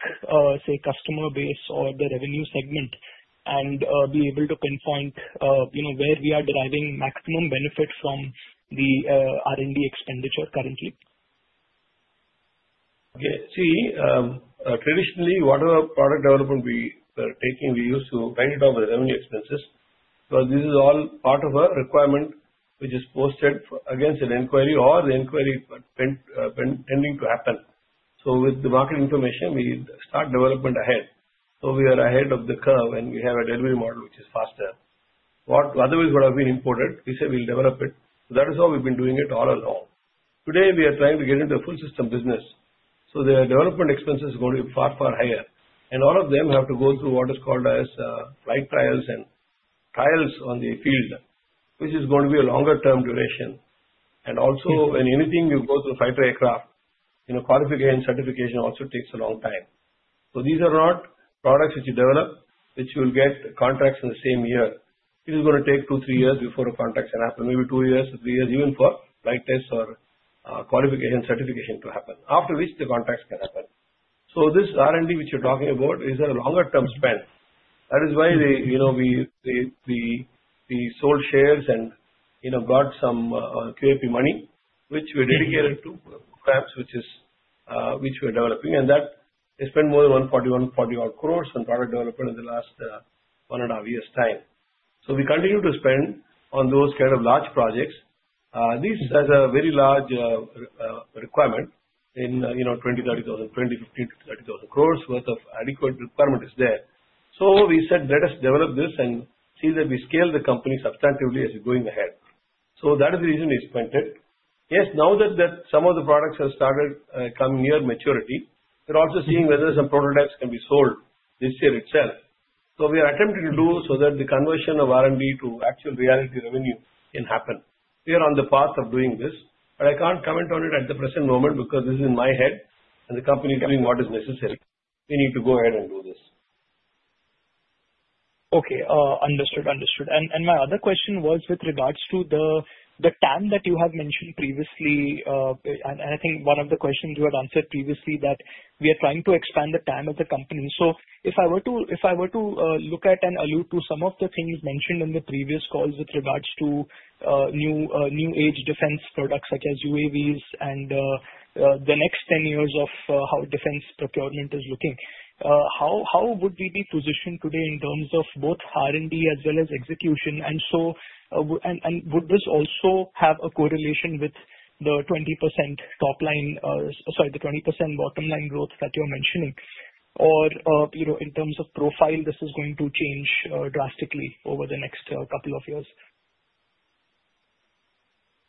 say, customer base or the revenue segment and be able to pinpoint where we are deriving maximum benefit from the R&D expenditure currently? Okay. See, traditionally, whatever product development we are taking, we used to write it off as revenue expenses. This is all part of a requirement which is posted against an inquiry or the inquiry tending to happen. With the market information, we start development ahead. We are ahead of the curve, and we have a delivery model which is faster. Otherwise, what have been imported, we say we'll develop it. That is how we've been doing it all along. Today, we are trying to get into a full system business. The development expenses are going to be far, far higher. All of them have to go through what is called flight trials and trials on the field, which is going to be a longer-term duration. Also, when anything you go through fighter aircraft, qualification certification also takes a long time. These are not products which you develop, which you'll get contracts in the same year. It is going to take two to three years before the contracts can happen, maybe two to three years, even for flight tests or qualification certification to happen, after which the contracts can happen. This R&D which you're talking about is a longer-term spend. That is why we sold shares and got some QAP money, which we dedicated to programs which we're developing. That has spent more than 141 crore, 140-odd crore on product development in the last one and a half years' time. We continue to spend on those kind of large projects. This has a very large requirement in 20,000 crore-30,000 crore, 20,000 crore, 15,000 crore, 30,000 crore worth of adequate requirement is there. We said, "Let us develop this and see that we scale the company substantively as we're going ahead." That is the reason we explained it. Yes, now that some of the products have started coming near maturity, we're also seeing whether some prototypes can be sold this year itself. We are attempting to do so that the conversion of R&D to actual reality revenue can happen. We are on the path of doing this, but I can't comment on it at the present moment because this is in my head, and the company is doing what is necessary. We need to go ahead and do this. Okay. Understood. Understood. My other question was with regards to the time that you have mentioned previously. I think one of the questions you had answered previously was that we are trying to expand the time of the company. If I were to look at and allude to some of the things mentioned in the previous calls with regards to new-age defense products such as UAVs and the next 10 years of how defense procurement is looking, how would we be positioned today in terms of both R&D as well as execution? Would this also have a correlation with the 20% top line—sorry, the 20% bottom line growth that you're mentioning? In terms of profile, is this going to change drastically over the next couple of years?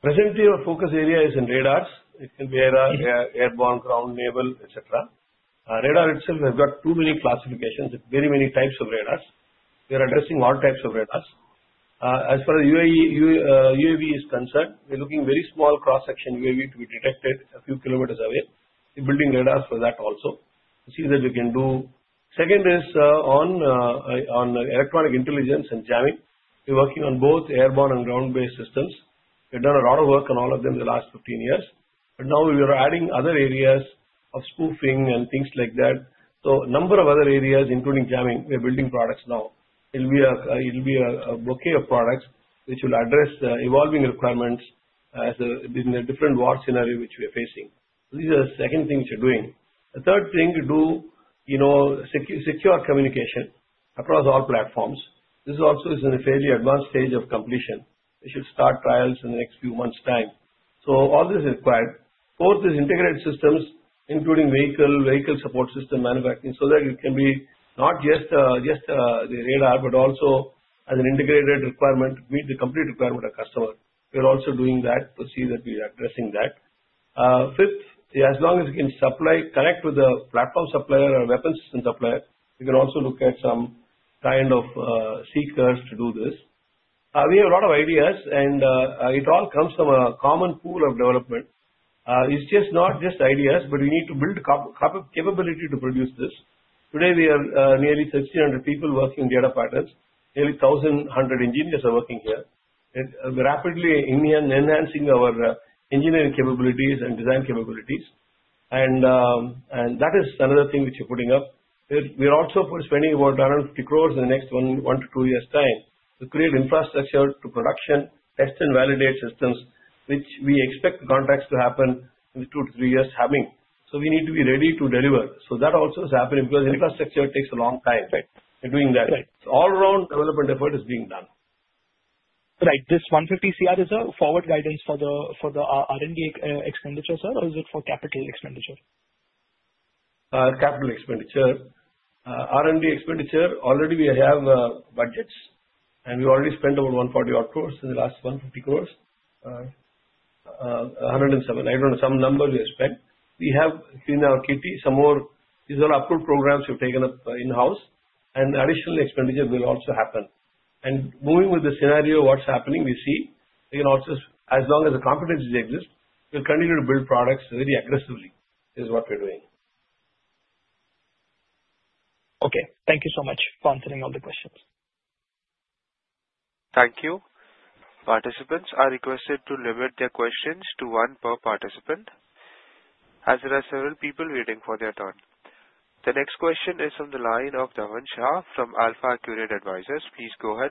Presently, our focus area is in radars. It can be airborne, ground, naval, etc. Radar itself has got too many classifications, very many types of radars. We are addressing all types of radars. As far as UAV is concerned, we're looking very small cross-section UAV to be detected a few kilometers away. We're building radars for that also. We see that we can do. Second is on electronic intelligence and jamming. We're working on both airborne and ground-based systems. We've done a lot of work on all of them the last 15 years. Now we are adding other areas of spoofing and things like that. A number of other areas, including jamming, we're building products now. It'll be a bouquet of products which will address evolving requirements in the different war scenarios which we are facing. These are the second things we're doing. The third thing to do is secure communication across all platforms. This also is in a fairly advanced stage of completion. We should start trials in the next few months' time. All this is required. Fourth is integrated systems, including vehicle support system manufacturing, so that it can be not just the radar, but also as an integrated requirement to meet the complete requirement of customer. We are also doing that. We will see that we are addressing that. Fifth, as long as we can connect with the platform supplier or weapons system supplier, we can also look at some kind of seekers to do this. We have a lot of ideas, and it all comes from a common pool of development. It is not just ideas, but we need to build capability to produce this. Today, we have nearly 1,600 people working in Data Patterns. Nearly 1,100 engineers are working here. We're rapidly enhancing our engineering capabilities and design capabilities. That is another thing which we're putting up. We're also spending about 150 crore in the next one to two years' time to create infrastructure to production, test and validate systems, which we expect contracts to happen in the two to three years having. We need to be ready to deliver. That also is happening because infrastructure takes a long time. Right. We're doing that. All-around development effort is being done. Right. This 150 crore, is there forward guidance for the R&D expenditure, sir, or is it for capital expenditure? Capital expenditure. R&D expenditure, already we have budgets, and we already spent about 140 crore-150 crore. 107 crore. I don't know. Some numbers we have spent. We have in our kitty some more—these are approved programs we've taken up in-house. Additional expenditure will also happen. Moving with the scenario of what's happening, we see we can also, as long as the competencies exist, we'll continue to build products very aggressively, is what we're doing. Okay. Thank you so much for answering all the questions. Thank you. Participants are requested to limit their questions to one per participant. As there are several people waiting for their turn, the next question is from the line of Davanshah from Alpha Accurate Advisors. Please go ahead.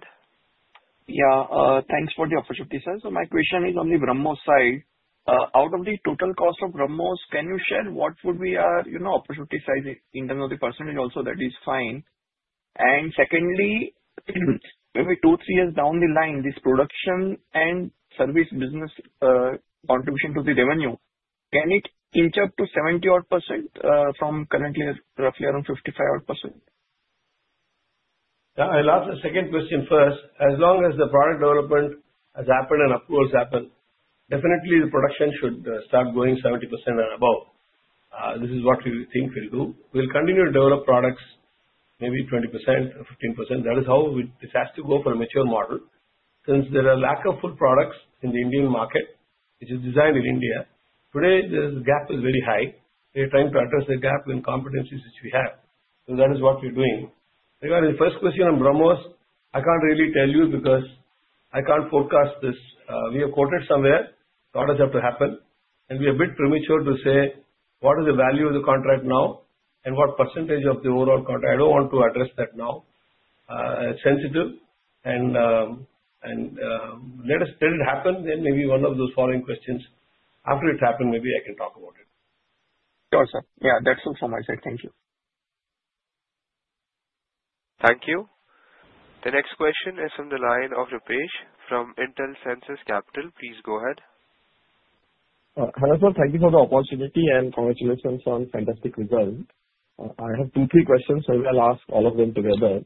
Yeah. Thanks for the opportunity, sir. My question is on the BrahMos side. Out of the total cost of BrahMos, can you share what would be our opportunity size in terms of the percentage? Also, that is fine. Secondly, maybe two, three years down the line, this production and service business contribution to the revenue, can it inch up to 70-odd % from currently roughly around 55-odd %? Yeah. I'll ask the second question first. As long as the product development has happened and approvals happen, definitely the production should start going 70% and above. This is what we think we'll do. We'll continue to develop products, maybe 20% or 15%. That is how it has to go for a mature model. Since there are a lack of full products in the Indian market, which is designed in India, today, the gap is very high. We are trying to address the gap in competencies which we have. So that is what we're doing. Regarding the first question on BrahMos, I can't really tell you because I can't forecast this. We are quoted somewhere. Products have to happen. We are a bit premature to say what is the value of the contract now and what percentage of the overall contract. I don't want to address that now. It's sensitive. Let it happen. Maybe one of those following questions, after it happens, maybe I can talk about it. Sure, sir. Yeah. That's all from my side. Thank you. Thank you. The next question is from the line of Rupesh from Intel Census Capital. Please go ahead. Hello, sir. Thank you for the opportunity and congratulations on fantastic results. I have two, three questions, so we'll ask all of them together.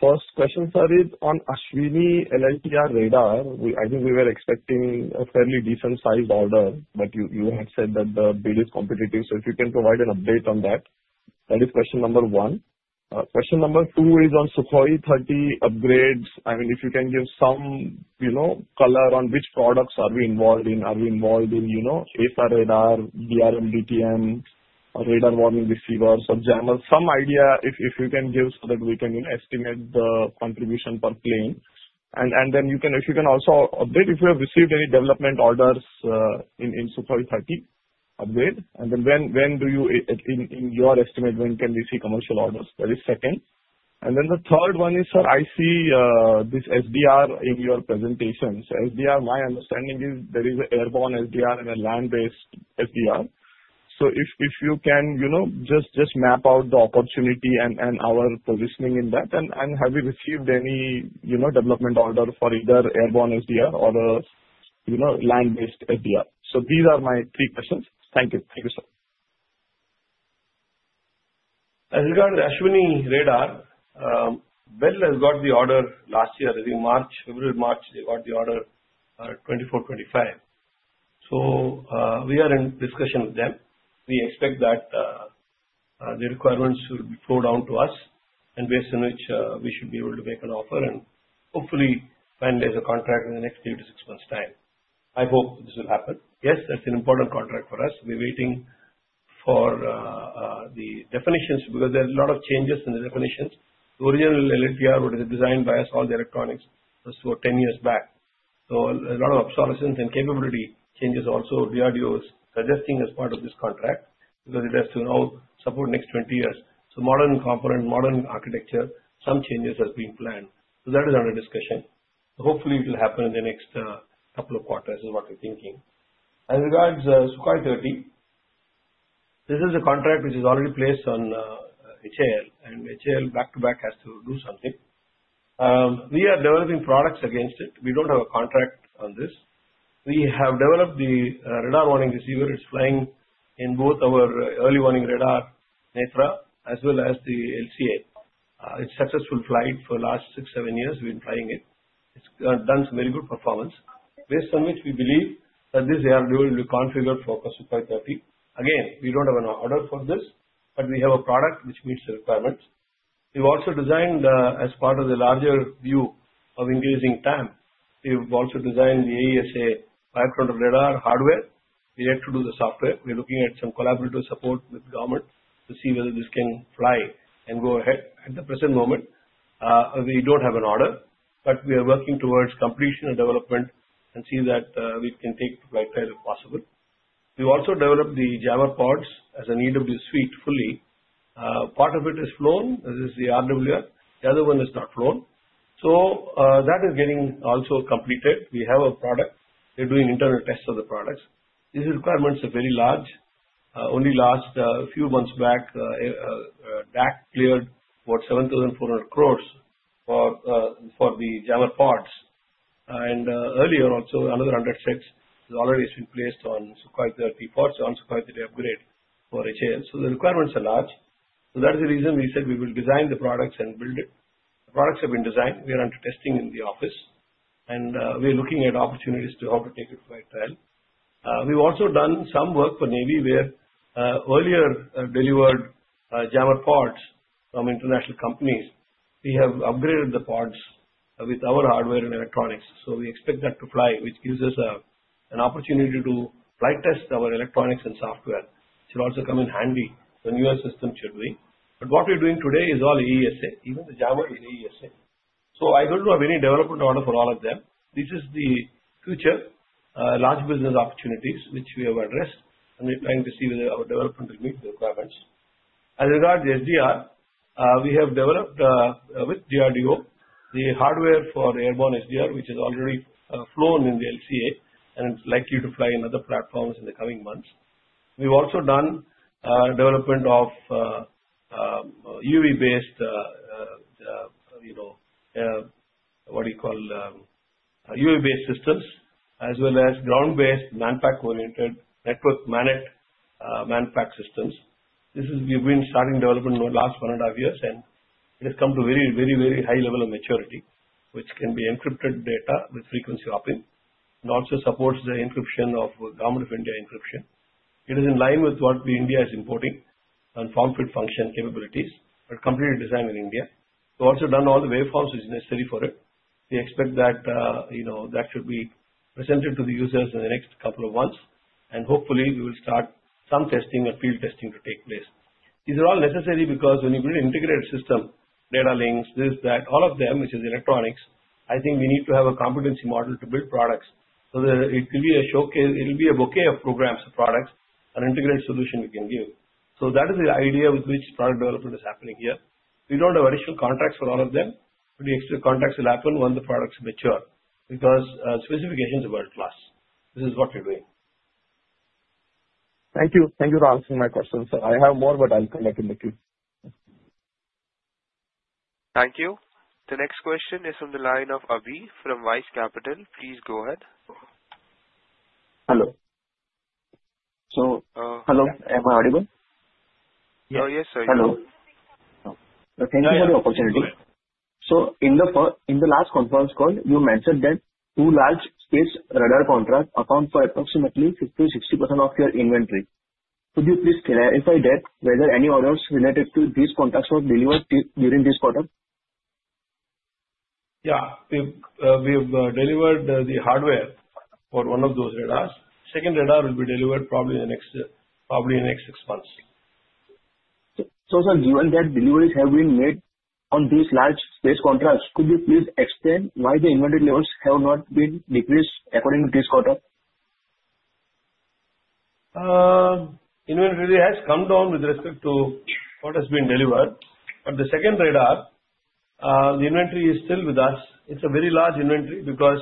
First question, sir, is on Ashwini LLTR radar. I think we were expecting a fairly decent-sized order, but you had said that the bid is competitive. If you can provide an update on that, that is question number one. Question number two is on Sukhoi 30 upgrades. I mean, if you can give some color on which products are we involved in. Are we involved in AFA radar, DRM DTM, radar warning receivers, or jammer? Some idea, if you can give, so that we can estimate the contribution per plane. If you can also update if we have received any development orders in Sukhoi 30 upgrade. When do you, in your estimate, when can we see commercial orders? That is second. The third one is, sir, I see this SDR in your presentations. SDR, my understanding is there is an airborne SDR and a land-based SDR. If you can just map out the opportunity and our positioning in that, and have you received any development order for either airborne SDR or a land-based SDR? These are my three questions. Thank you. Thank you, sir. As regards to Ashwini radar, BEL has got the order last year, I think February, March. They got the order 2024, 2025. We are in discussion with them. We expect that the requirements should flow down to us, and based on which, we should be able to make an offer. Hopefully, finally, there is a contract in the next three to six months' time. I hope this will happen. Yes, that is an important contract for us. We are waiting for the definitions because there are a lot of changes in the definitions. The original LLTR, which is designed by us, all the electronics, was for 10 years back. A lot of obsolescence and capability changes also we are suggesting as part of this contract because it has to now support the next 20 years. Modern component, modern architecture, some changes have been planned. That is under discussion. Hopefully, it will happen in the next couple of quarters is what we're thinking. As regards to Sukhoi 30, this is a contract which is already placed on HAL. HAL, back to back, has to do something. We are developing products against it. We don't have a contract on this. We have developed the radar warning receiver. It's flying in both our early warning radar, NETRA, as well as the LCA. It's a successful flight for the last six, seven years. We've been flying it. It's done some very good performance, based on which we believe that this air will be configured for Sukhoi 30. Again, we don't have an order for this, but we have a product which meets the requirements. We've also designed, as part of the larger view of increasing TAM, we've also designed the AESA fire control radar hardware. We have to do the software. We're looking at some collaborative support with government to see whether this can fly and go ahead. At the present moment, we don't have an order, but we are working towards completion and development and see that we can take it to flight as possible. We've also developed the jammer pods as an EW suite fully. Part of it has flown. This is the RWR. The other one has not flown. That is also getting completed. We have a product. We're doing internal tests of the products. These requirements are very large. Only a few months back, DAC cleared about 7,400 crore for the jammer pods. Earlier, another 100 sets have already been placed on Sukhoi 30 pods or on Sukhoi 30 upgrade for HAL. The requirements are large. That is the reason we said we will design the products and build it. The products have been designed. We are under testing in the office. We are looking at opportunities to how to take it to flight trial. We've also done some work for Navy, where earlier delivered jammer pods from international companies. We have upgraded the pods with our hardware and electronics. We expect that to fly, which gives us an opportunity to flight test our electronics and software, which will also come in handy when newer systems are doing. What we're doing today is all AESA. Even the jammer is AESA. I don't have any development order for all of them. This is the future large business opportunities, which we have addressed. We are trying to see whether our development will meet the requirements. As regards to SDR, we have developed with DRDO the hardware for airborne SDR, which is already flown in the LCA, and it's likely to fly in other platforms in the coming months. We've also done development of UAV-based, what do you call, UAV-based systems, as well as ground-based manpack-oriented network MANET manpack systems. This is we've been starting development in the last one and a half years, and it has come to a very, very high level of maturity, which can be encrypted data with frequency hopping and also supports the encryption of Government of India encryption. It is in line with what India is importing on form-fit function capabilities. We're completely designed in India. We've also done all the waveforms which are necessary for it. We expect that that should be presented to the users in the next couple of months. Hopefully, we will start some testing and field testing to take place. These are all necessary because when you build an integrated system, data links, this, that, all of them, which is electronics, I think we need to have a competency model to build products so that it will be a showcase. It will be a bouquet of programs and products, an integrated solution we can give. That is the idea with which product development is happening here. We do not have additional contracts for all of them, but the extra contracts will happen once the products mature because specifications are world-class. This is what we are doing. Thank you. Thank you for answering my questions, sir. I have more, but I'll connect in the queue. Thank you. The next question is from the line of Avi from Vice Capital. Please go ahead. Hello. Am I audible? Yes, sir. Hello. Thank you for the opportunity. In the last conference call, you mentioned that two large space radar contracts account for approximately 50-60% of your inventory. Could you please clarify that, whether any orders related to these contracts were delivered during this quarter? Yeah. We've delivered the hardware for one of those radars. Second radar will be delivered probably in the next six months. Sir, given that deliveries have been made on these large space contracts, could you please explain why the inventory levels have not been decreased according to this quarter? Inventory has come down with respect to what has been delivered. The second radar, the inventory is still with us. It is a very large inventory because,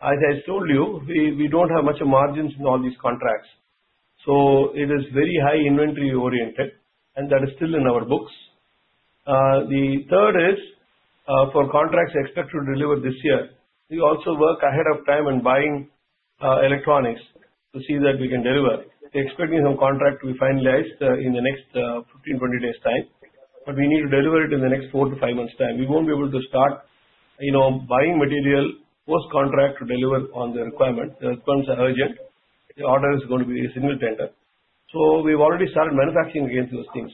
as I told you, we do not have much margins in all these contracts. It is very high inventory-oriented, and that is still in our books. The third is for contracts expected to deliver this year. We also work ahead of time in buying electronics to see that we can deliver. The expecting of contract, we finalize in the next 15-20 days' time. We need to deliver it in the next four to five months' time. We will not be able to start buying material post-contract to deliver on the requirement. The requirements are urgent. The order is going to be a single tender. We have already started manufacturing against those things.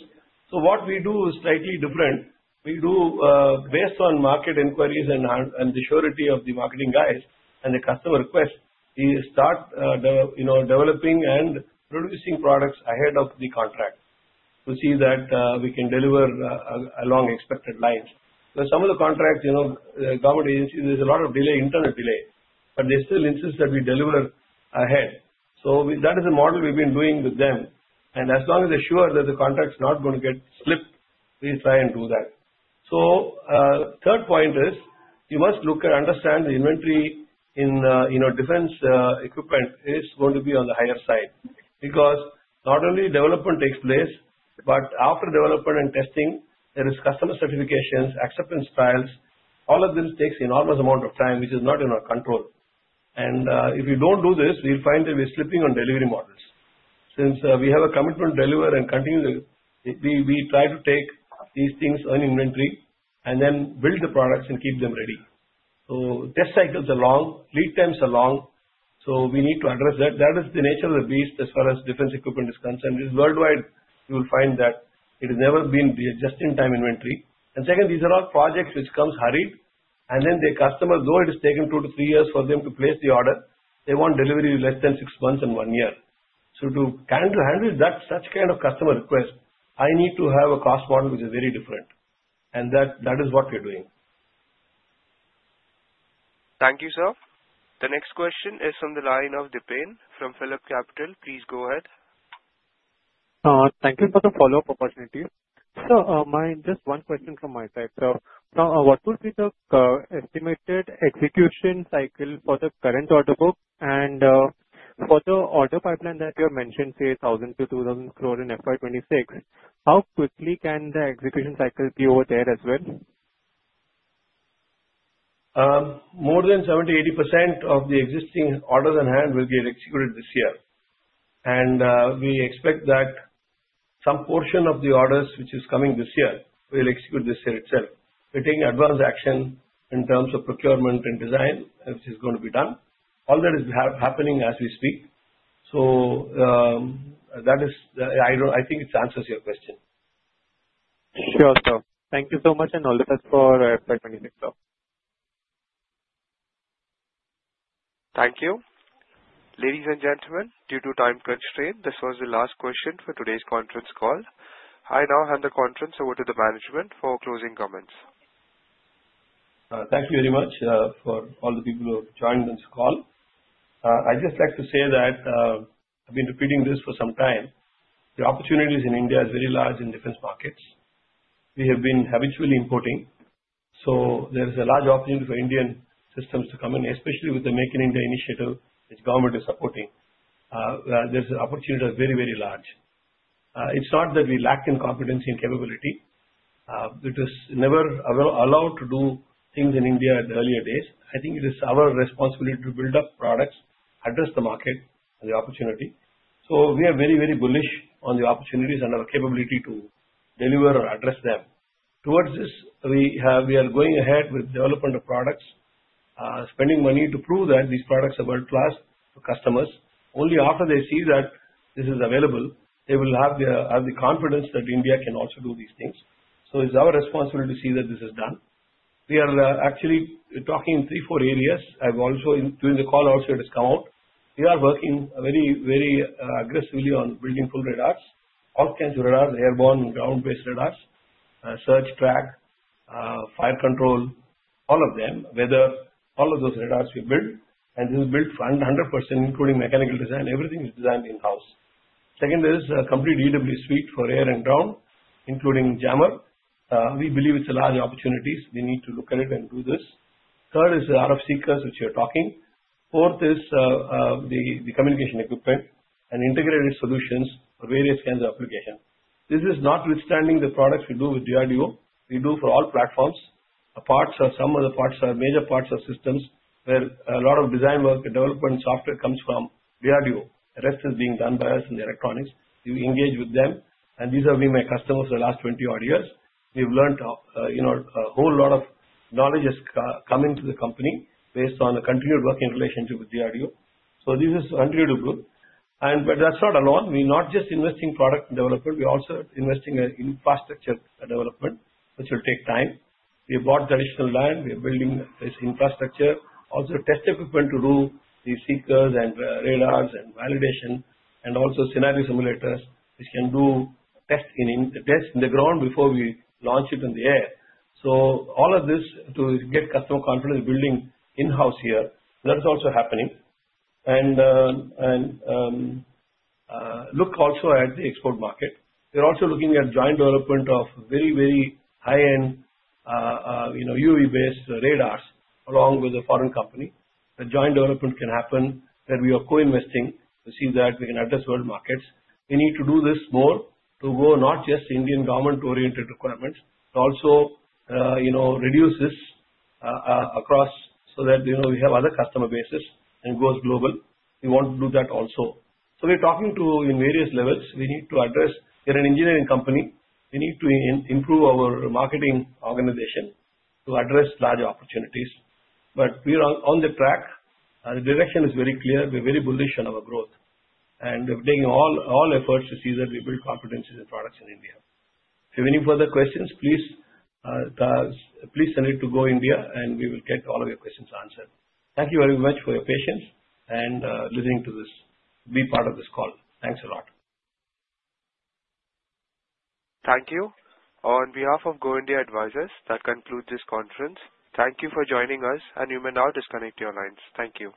What we do is slightly different. We do, based on market inquiries and the surety of the marketing guys and the customer request, we start developing and producing products ahead of the contract to see that we can deliver along expected lines. There are some of the contracts, government agencies, there's a lot of delay, internal delay, but they still insist that we deliver ahead. That is the model we've been doing with them. As long as they're sure that the contract's not going to get slipped, we try and do that. Third point is you must look and understand the inventory in defense equipment is going to be on the higher side because not only development takes place, but after development and testing, there are customer certifications, acceptance trials. All of this takes an enormous amount of time, which is not in our control. If we do not do this, we will find that we are slipping on delivery models. Since we have a commitment to deliver and continue, we try to take these things, earn inventory, and then build the products and keep them ready. Test cycles are long. Lead times are long. We need to address that. That is the nature of the beast as far as defense equipment is concerned. It is worldwide. You will find that it has never been just-in-time inventory. These are all projects which come hurried. The customer, though it has taken two to three years for them to place the order, wants delivery in less than six months and one year. To handle such kind of customer request, I need to have a cost model which is very different. That is what we are doing. Thank you, sir. The next question is from the line of Dipen from Philip Capital. Please go ahead. Thank you for the follow-up opportunity. Sir, just one question from my side. What would be the estimated execution cycle for the current order book? For the order pipeline that you have mentioned, say, 1,000-2,000 crore in FY 2026, how quickly can the execution cycle be over there as well? More than 70-80% of the existing orders on hand will get executed this year. We expect that some portion of the orders which is coming this year will execute this year itself. We are taking advanced action in terms of procurement and design, which is going to be done. All that is happening as we speak. I think it answers your question. Sure, sir. Thank you so much and all the best for FY 2026, sir. Thank you. Ladies and gentlemen, due to time constraint, this was the last question for today's conference call. I now hand the conference over to the management for closing comments. Thank you very much for all the people who have joined on this call. I'd just like to say that I've been repeating this for some time. The opportunities in India are very large in defense markets. We have been habitually importing. There is a large opportunity for Indian systems to come in, especially with the Make in India initiative, which government is supporting. There's an opportunity that's very, very large. It's not that we lack in competency and capability. It was never allowed to do things in India in the earlier days. I think it is our responsibility to build up products, address the market, and the opportunity. We are very, very bullish on the opportunities and our capability to deliver or address them. Towards this, we are going ahead with development of products, spending money to prove that these products are world-class to customers. Only after they see that this is available, they will have the confidence that India can also do these things. It is our responsibility to see that this is done. We are actually talking in three, four areas. I have also, during the call, also, it has come out. We are working very, very aggressively on building full radars, all kinds of radars, airborne, ground-based radars, search, track, fire control, all of them, whether all of those radars we build. This is built 100%, including mechanical design. Everything is designed in-house. Second is a complete EW suite for air and ground, including jammer. We believe it is a large opportunity. We need to look at it and do this. Third is the RF seekers, which you are talking. Fourth is the communication equipment and integrated solutions for various kinds of applications. This is not withstanding the products we do with DRDO. We do for all platforms. Some of the major parts of systems where a lot of design work and development software comes from DRDO. The rest is being done by us in the electronics. We engage with them. These have been my customers for the last 20-odd years. We've learned a whole lot of knowledge has come into the company based on a continued working relationship with DRDO. This is unreal to prove. That's not alone. We're not just investing in product development. We're also investing in infrastructure development, which will take time. We bought traditional land. We're building this infrastructure, also test equipment to do the seekers and radars and validation and also scenario simulators, which can do test in the ground before we launch it in the air. All of this to get customer confidence building in-house here. That is also happening. Look also at the export market. We're also looking at joint development of very, very high-end UAV-based radars along with a foreign company. The joint development can happen where we are co-investing to see that we can address world markets. We need to do this more to go not just Indian government-oriented requirements, but also reduce this across so that we have other customer bases and go global. We want to do that also. We're talking to in various levels. We need to address. We're an engineering company. We need to improve our marketing organization to address large opportunities. We are on the track. The direction is very clear. We're very bullish on our growth. We're taking all efforts to see that we build competencies and products in India. If you have any further questions, please send it to Go India, and we will get all of your questions answered. Thank you very much for your patience and listening to this, be part of this call. Thanks a lot. Thank you. On behalf of Go India Advisors, that concludes this conference. Thank you for joining us, and you may now disconnect your lines. Thank you.